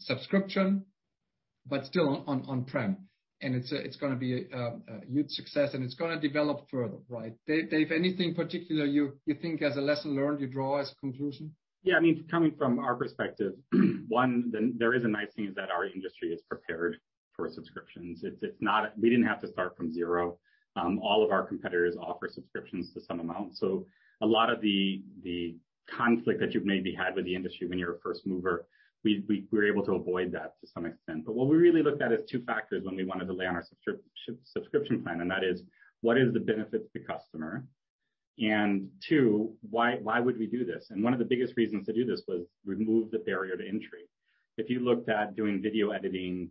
subscription, but still on-prem, and it's going to be a huge success, and it's going to develop further, right? Dave, anything particular you think as a lesson learned you draw as conclusion? Coming from our perspective, there is a nice thing is that our industry is prepared for subscriptions. We didn't have to start from zero. All of our competitors offer subscriptions to some amount. A lot of the conflict that you've maybe had with the industry when you're a first mover, we're able to avoid that to some extent. What we really looked at is two factors when we wanted to lay on our subscription plan, and that is. What is the benefit to the customer? Why would we do this? One of the biggest reasons to do this was remove the barrier to entry. If you looked at doing video editing,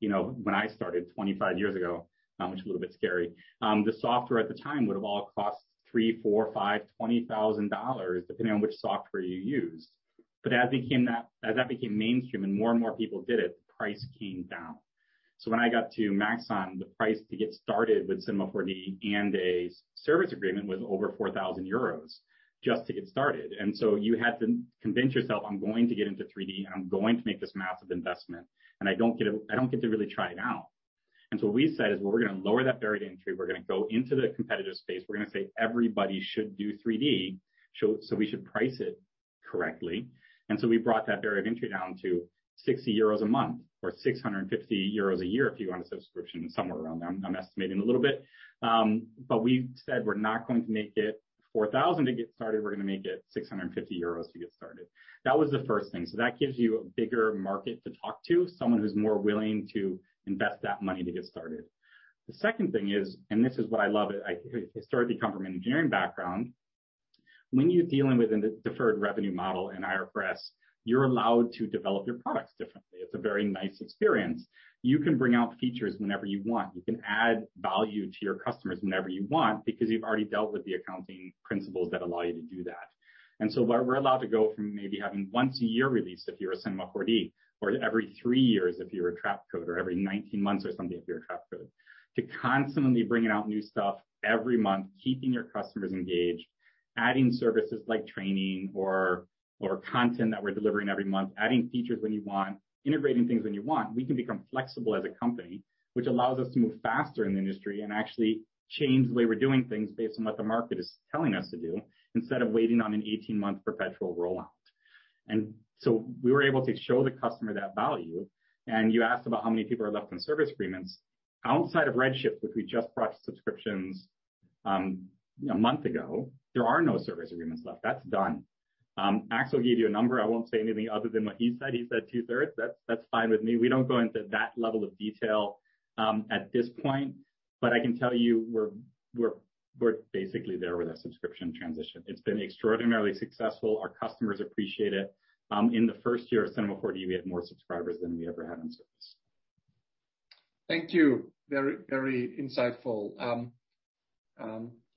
when I started 25 years ago, which is a little bit scary, the software at the time would have all cost $3, $4, $5, $20,000, depending on which software you used. As that became mainstream and more and more people did it, the price came down. When I got to Maxon, the price to get started with Cinema 4D and a service agreement was over 4,000 euros just to get started. You had to convince yourself, I'm going to get into 3D, and I'm going to make this massive investment, and I don't get to really try it out. What we said is, well, we're going to lower that barrier to entry. We're going to go into the competitive space. We're going to say everybody should do 3D, so we should price it correctly. We brought that barrier of entry down to 60 euros a month or 650 euros a year if you go on a subscription, somewhere around there. I'm estimating a little bit. We said we're not going to make it 4,000 to get started. We're going to make it 650 euros to get started. That was the first thing. That gives you a bigger market to talk to, someone who's more willing to invest that money to get started. The second thing is, and this is what I love, I historically come from an engineering background. When you're dealing with a deferred revenue model in IFRS, you're allowed to develop your products differently. It's a very nice experience. You can bring out features whenever you want. You can add value to your customers whenever you want because you've already dealt with the accounting principles that allow you to do that. We're allowed to go from maybe having once a year release if you're a Cinema 4D or every three years if you're a Trapcode or every 19 months or something if you're a Trapcode, to constantly bringing out new stuff every month, keeping your customers engaged, adding services like training or content that we're delivering every month, adding features when you want, integrating things when you want. We can become flexible as a company, which allows us to move faster in the industry and actually change the way we're doing things based on what the market is telling us to do instead of waiting on an 18-month perpetual rollout. We were able to show the customer that value. You asked about how many people are left on service agreements. Outside of Redshift, which we just brought subscriptions one month ago, there are no service agreements left. That's done. Axel gave you a number. I won't say anything other than what he said. He said two-thirds. That's fine with me. We don't go into that level of detail at this point. I can tell you we're basically there with our subscription transition. It's been extraordinarily successful. Our customers appreciate it. In the first year of Cinema 4D, we had more subscribers than we ever had on service. Thank you. Very insightful.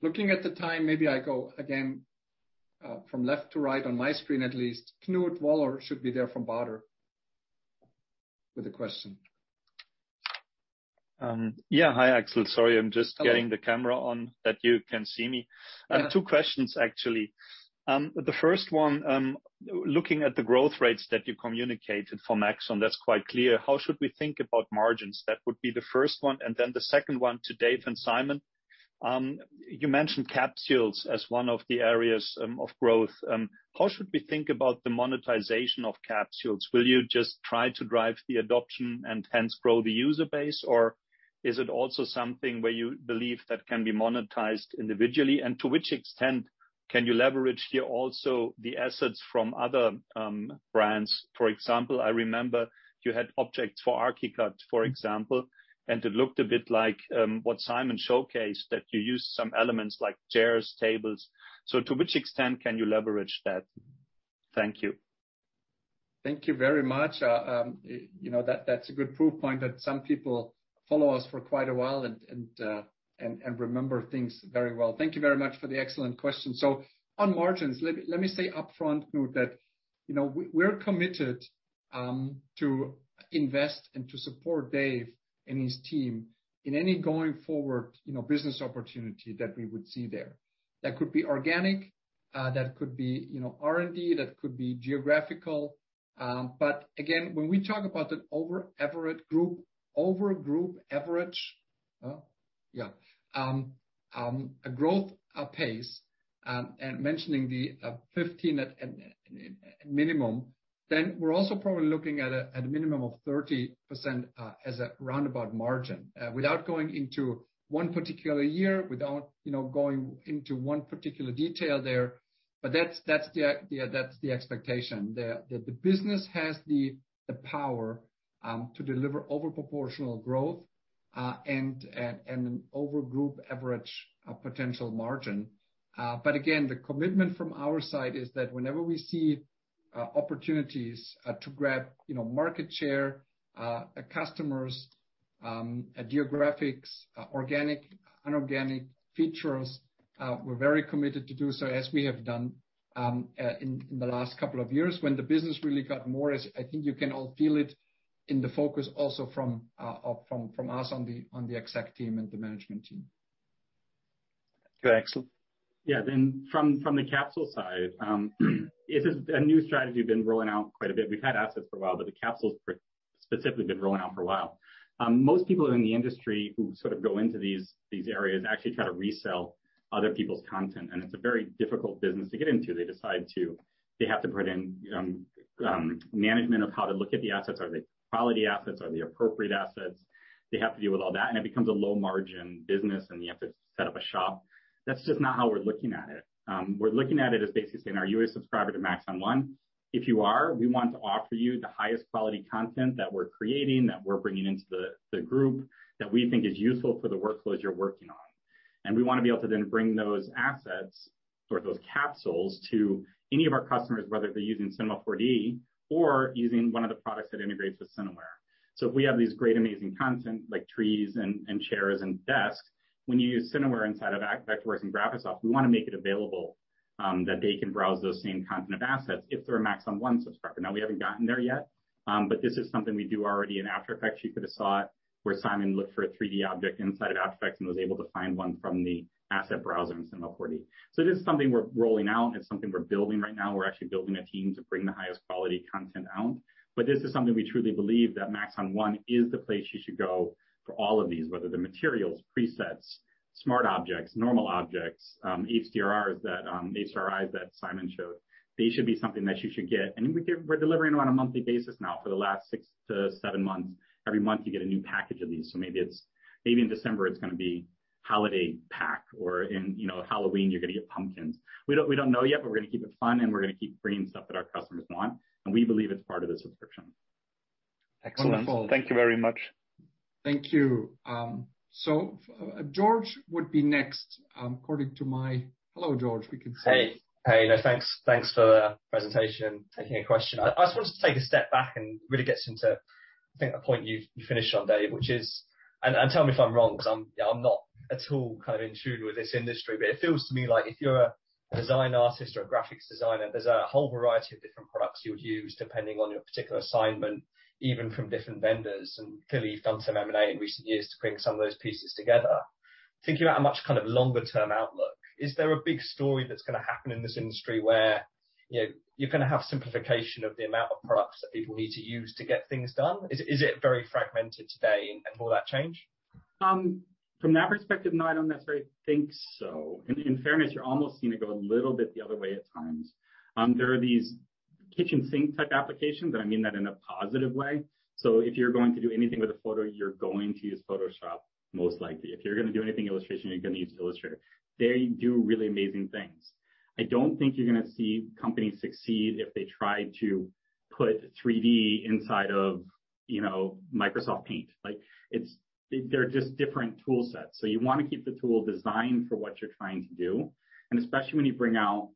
Looking at the time, maybe I go again, from left to right on my screen at least, Knut Woller should be there from Baader with a question. Yeah. Hi, Axel. Sorry, I'm just getting the camera on so that you can see me. Yeah. I have two questions, actually. The first one, looking at the growth rates that you communicated for Maxon, that is quite clear. How should we think about margins? That would be the first one. The second one to Dave and Simon. You mentioned Capsules as one of the areas of growth. How should we think about the monetization of Capsules? Will you just try to drive the adoption and hence grow the user base? Is it also something where you believe that can be monetized individually? To which extent can you leverage here also the assets from other brands? For example, I remember you had objects for Archicad, for example, and it looked a bit like what Simon showcased, that you used some elements like chairs, tables. To which extent can you leverage that? Thank you. Thank you very much. That's a good proof point that some people follow us for quite a while and remember things very well. Thank you very much for the excellent question. On margins, let me say upfront, Knut, that we're committed to invest and to support Dave and his team in any going forward business opportunity that we would see there. That could be organic, that could be R&D, that could be geographical. Again, when we talk about the over group average, a growth pace, and mentioning the 15% at minimum, then we're also probably looking at a minimum of 30% as a roundabout margin. Without going into one particular year, without going into one particular detail there, that's the expectation. That the business has the power to deliver over proportional growth, and an over group average potential margin. Again, the commitment from our side is that whenever we see opportunities to grab market share, customers, geographics, organic, inorganic features, we're very committed to do so as we have done in the last couple of years. When the business really got more, as I think you can all feel it in the focus also from us on the exec team and the management team. Thanks Axel. Yeah. From the Capsules side, this is a new strategy we've been rolling out quite a bit. We've had assets for a while, but the Capsules specifically have been rolling out for a while. Most people in the industry who go into these areas actually try to resell other people's content, and it's a very difficult business to get into. They decide to. They have to put in management of how to look at the assets. Are they quality assets? Are they appropriate assets? They have to deal with all that, and it becomes a low-margin business, and you have to set up a shop. That's just not how we're looking at it. We're looking at it as basically saying, "Are you a subscriber to Maxon One? If you are, we want to offer you the highest quality content that we're creating, that we're bringing into the group, that we think is useful for the workloads you're working on. We want to be able to then bring those assets or those Capsules to any of our customers, whether they're using Cinema 4D or using one of the products that integrates with Cineware. If we have these great amazing content, like trees and chairs and desks, when you use Cineware inside of Vectorworks and Graphisoft, we want to make it available that they can browse those same content of assets if they're a Maxon One subscriber. Now, we haven't gotten there yet, but this is something we do already in After Effects. You could have saw it where Simon looked for a 3D object inside of After Effects and was able to find one from the asset browser in Cinema 4D. It is something we're rolling out and something we're building right now. We're actually building a team to bring the highest quality content out. This is something we truly believe that Maxon One is the place you should go for all of these, whether they're materials, presets, smart objects, normal objects, HDRIs that Simon showed. They should be something that you should get. We're delivering on a monthly basis now for the last six to seven months. Every month, you get a new package of these. Maybe in December, it's going to be holiday pack, or in Halloween, you're going to get pumpkins. We don't know yet, but we're going to keep it fun, and we're going to keep bringing stuff that our customers want, and we believe it's part of the subscription. Excellent. Thank you very much. Thank you. George would be next. Hello, George. We can see you. Hey. Thanks for the presentation and taking a question. I just wanted to take a step back and really get into, I think, a point you finished on, Dave, which is, and tell me if I'm wrong, because I'm not at all in tune with this industry. It feels to me like if you're a design artist or a graphics designer, there's a whole variety of different products you would use depending on your particular assignment, even from different vendors. Clearly, you've done some M&A in recent years to bring some of those pieces together. Thinking about a much longer-term outlook, is there a big story that's going to happen in this industry where you're going to have simplification of the amount of products that people need to use to get things done? Is it very fragmented today, and will that change? From that perspective, no, I don't necessarily think so. In fairness, you're almost seeing it go a little bit the other way at times. There are these kitchen sink-type applications, and I mean that in a positive way. If you're going to do anything with a photo, you're going to use Photoshop, most likely. If you're going to do anything illustration, you're going to use Illustrator. They do really amazing things. I don't think you're going to see companies succeed if they try to put 3D inside of Microsoft Paint. They're just different tool sets. You want to keep the tool designed for what you're trying to do. Especially when you bring out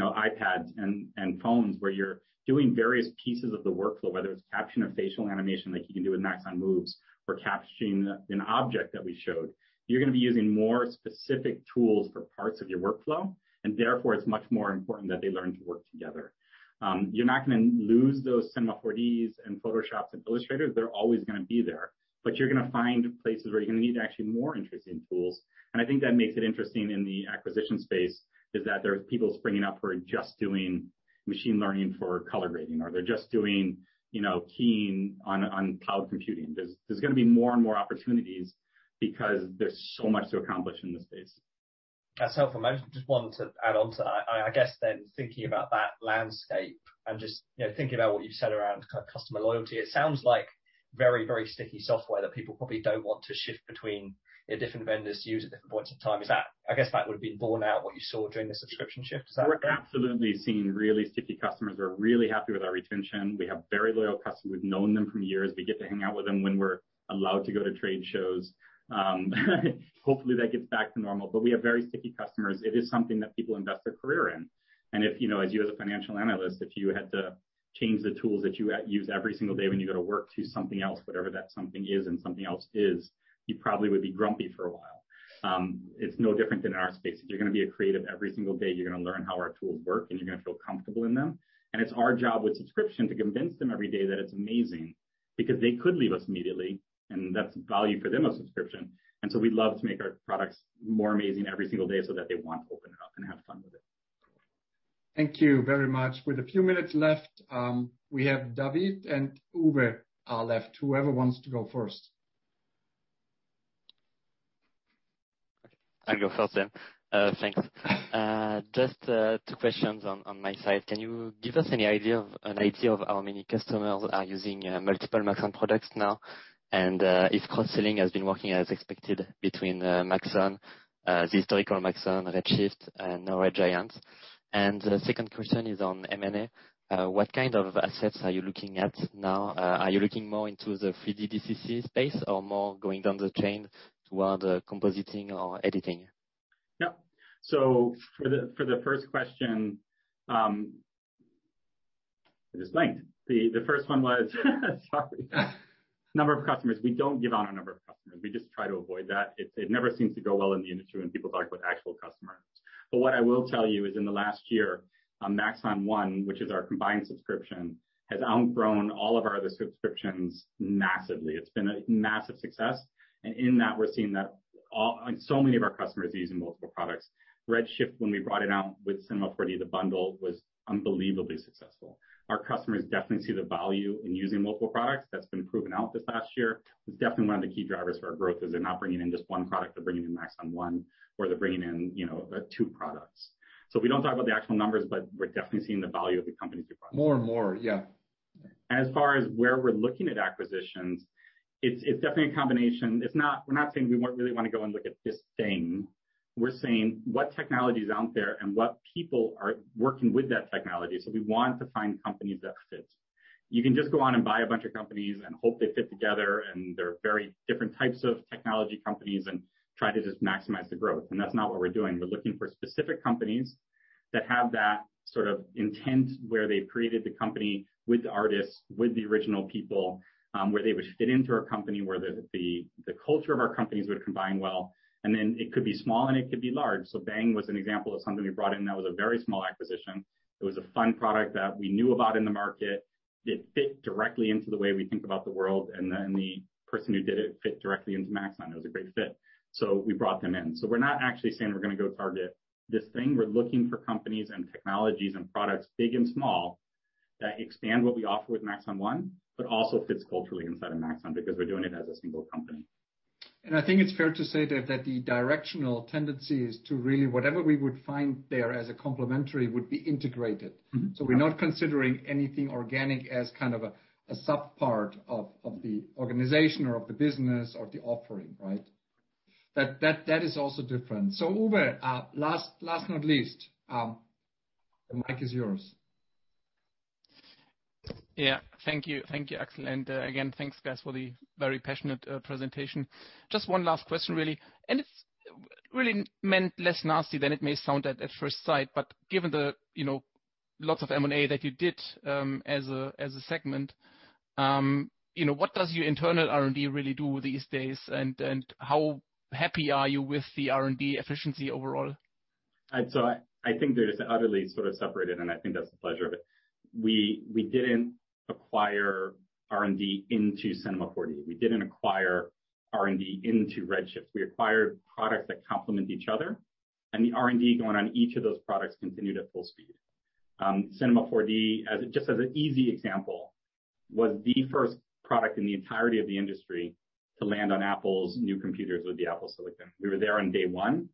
iPads and phones where you're doing various pieces of the workflow, whether it's caption or facial animation like you can do with Moves by Maxon or captioning an object that we showed. You're going to be using more specific tools for parts of your workflow, and therefore, it's much more important that they learn to work together. You're not going to lose those Cinema 4Ds and Photoshops and Illustrators. They're always going to be there. You're going to find places where you're going to need actually more interesting tools, and I think that makes it interesting in the acquisition space, is that there are people springing up who are just doing machine learning for color grading, or they're just doing keying on cloud computing. There's going to be more and more opportunities because there's so much to accomplish in this space. That's helpful. I just wanted to add on to that. I guess thinking about that landscape and just thinking about what you've said around customer loyalty, it sounds like very sticky software that people probably don't want to shift between different vendors to use at different points in time. I guess that would have been borne out what you saw during the subscription shift. Is that? We're absolutely seeing really sticky customers. We're really happy with our retention. We have very loyal customers. We've known them for years. We get to hang out with them when we're allowed to go to trade shows. Hopefully, that gets back to normal. We have very sticky customers. It is something that people invest their career in. As you as a financial analyst, if you had to change the tools that you use every single day when you go to work to something else, whatever that something is and something else is, you probably would be grumpy for a while. It's no different than in our space. If you're going to be a creative every single day, you're going to learn how our tools work, and you're going to feel comfortable in them. It's our job with subscription to convince them every day that it's amazing, because they could leave us immediately, and that's value for them of subscription. We love to make our products more amazing every single day so that they want to open it up and have fun with it. Thank you very much. With a few minutes left, we have David and Uwe are left. Whoever wants to go first. Okay, I'll go first then. Thanks. Just two questions on my side. Can you give us an idea of how many customers are using multiple Maxon products now, and if cross-selling has been working as expected between Maxon, the historical Maxon, Redshift, and now Red Giant? The second question is on M&A. What kind of assets are you looking at now? Are you looking more into the 3D DCC space or more going down the chain toward compositing or editing? Yeah. For the first question, I just blanked. The first one was, sorry. Number of customers. We don't give out our number of customers. We just try to avoid that. It never seems to go well in the industry when people talk about actual customers. What I will tell you is in the last year, Maxon One, which is our combined subscription, has outgrown all of our other subscriptions massively. It's been a massive success. In that, we're seeing that so many of our customers are using multiple products. Redshift, when we brought it out with Cinema 4D, the bundle was unbelievably successful. Our customers definitely see the value in using multiple products. That's been proven out this past year. It's definitely one of the key drivers for our growth is they're not bringing in just one product. They're bringing in Maxon One or they're bringing in two products. We don't talk about the actual numbers, but we're definitely seeing the value of the company's new products. More and more, yeah. As far as where we're looking at acquisitions, it's definitely a combination. We're not saying we really want to go and look at this thing. We're saying what technology is out there and what people are working with that technology. We want to find companies that fit. You can just go on and buy a bunch of companies and hope they fit together, and they're very different types of technology companies, and try to just maximize the growth. That's not what we're doing. We're looking for specific companies that have that sort of intent where they've created the company with the artists, with the original people, where they would fit into our company, where the culture of our companies would combine well. Then it could be small, and it could be large. Bang was an example of something we brought in that was a very small acquisition. It was a fun product that we knew about in the market. It fit directly into the way we think about the world, and then the person who did it fit directly into Maxon. It was a great fit. We brought them in. We're not actually saying we're going to go target this thing. We're looking for companies and technologies and products big and small that expand what we offer with Maxon One, but also fits culturally inside of Maxon because we're doing it as a single company. I think it's fair to say, Dave, that the directional tendency is to really whatever we would find there as a complementary would be integrated. We're not considering anything organic as kind of a subpart of the organization or of the business or of the offering, right? That is also different. Uwe, last not least, the mic is yours. Yeah. Thank you. Thank you, Axel. Again, thanks, guys, for the very passionate presentation. Just one last question, really. It's really meant less nasty than it may sound at first sight. Given the lots of M&A that you did as a segment, what does your internal R&D really do these days, and how happy are you with the R&D efficiency overall? I think they're just utterly sort of separated, and I think that's the pleasure of it. We didn't acquire R&D into Cinema 4D. We didn't acquire R&D into Redshift. We acquired products that complement each other, and the R&D going on each of those products continued at full speed. Cinema 4D, just as an easy example, was the first product in the entirety of the industry to land on Apple's new computers with the Apple silicon. We were there on day one.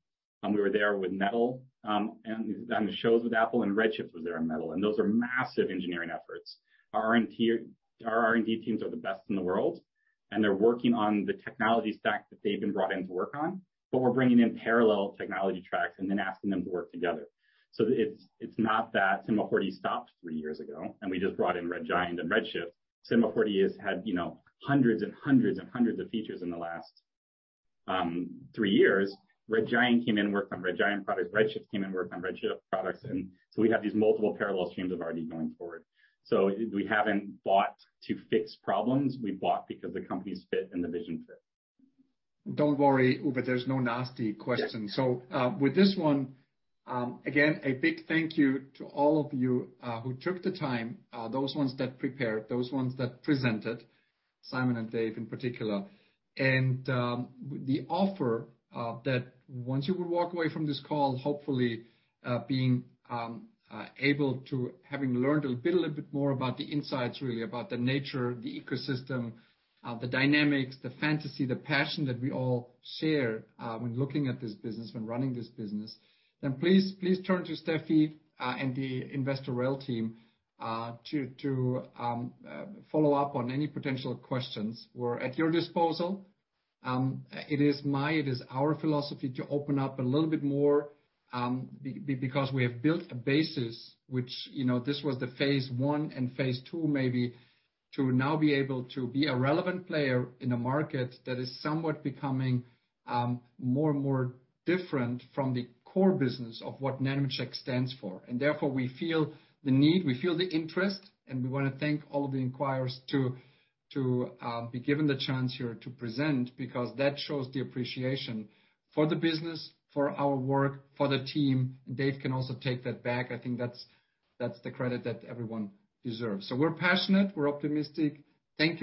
We were there with Metal on the shows with Apple, and Redshift was there on Metal. Those are massive engineering efforts. Our R&D teams are the best in the world, and they're working on the technology stack that they've been brought in to work on, but we're bringing in parallel technology tracks and then asking them to work together. It's not that Cinema 4D stopped three years ago, and we just brought in Red Giant and Redshift. Cinema 4D has had hundreds and hundreds and hundreds of features in the last three years. Red Giant came in and worked on Red Giant products. Redshift came in and worked on Redshift products. We have these multiple parallel streams of R&D going forward. We haven't bought to fix problems. We've bought because the companies fit and the vision fit. Don't worry, Uwe, there's no nasty question. Yeah. With this one, again, a big thank you to all of you who took the time, those ones that prepared, those ones that presented, Simon and Dave in particular. The offer that once you would walk away from this call, hopefully being able to having learned a little bit more about the insights, really, about the nature, the ecosystem, the dynamics, the fantasy, the passion that we all share when looking at this business, when running this business, then please turn to Stefanie and the investor rel team to follow up on any potential questions. We're at your disposal. It is our philosophy to open up a little bit more because we have built a basis, which this was the phase I and phase II, maybe, to now be able to be a relevant player in a market that is somewhat becoming more and more different from the core business of what Nemetschek stands for. Therefore, we feel the need, we feel the interest, and we want to thank all of the inquirers to be given the chance here to present because that shows the appreciation for the business, for our work, for the team. Dave can also take that back. I think that's the credit that everyone deserves. We're passionate, we're optimistic. Thank you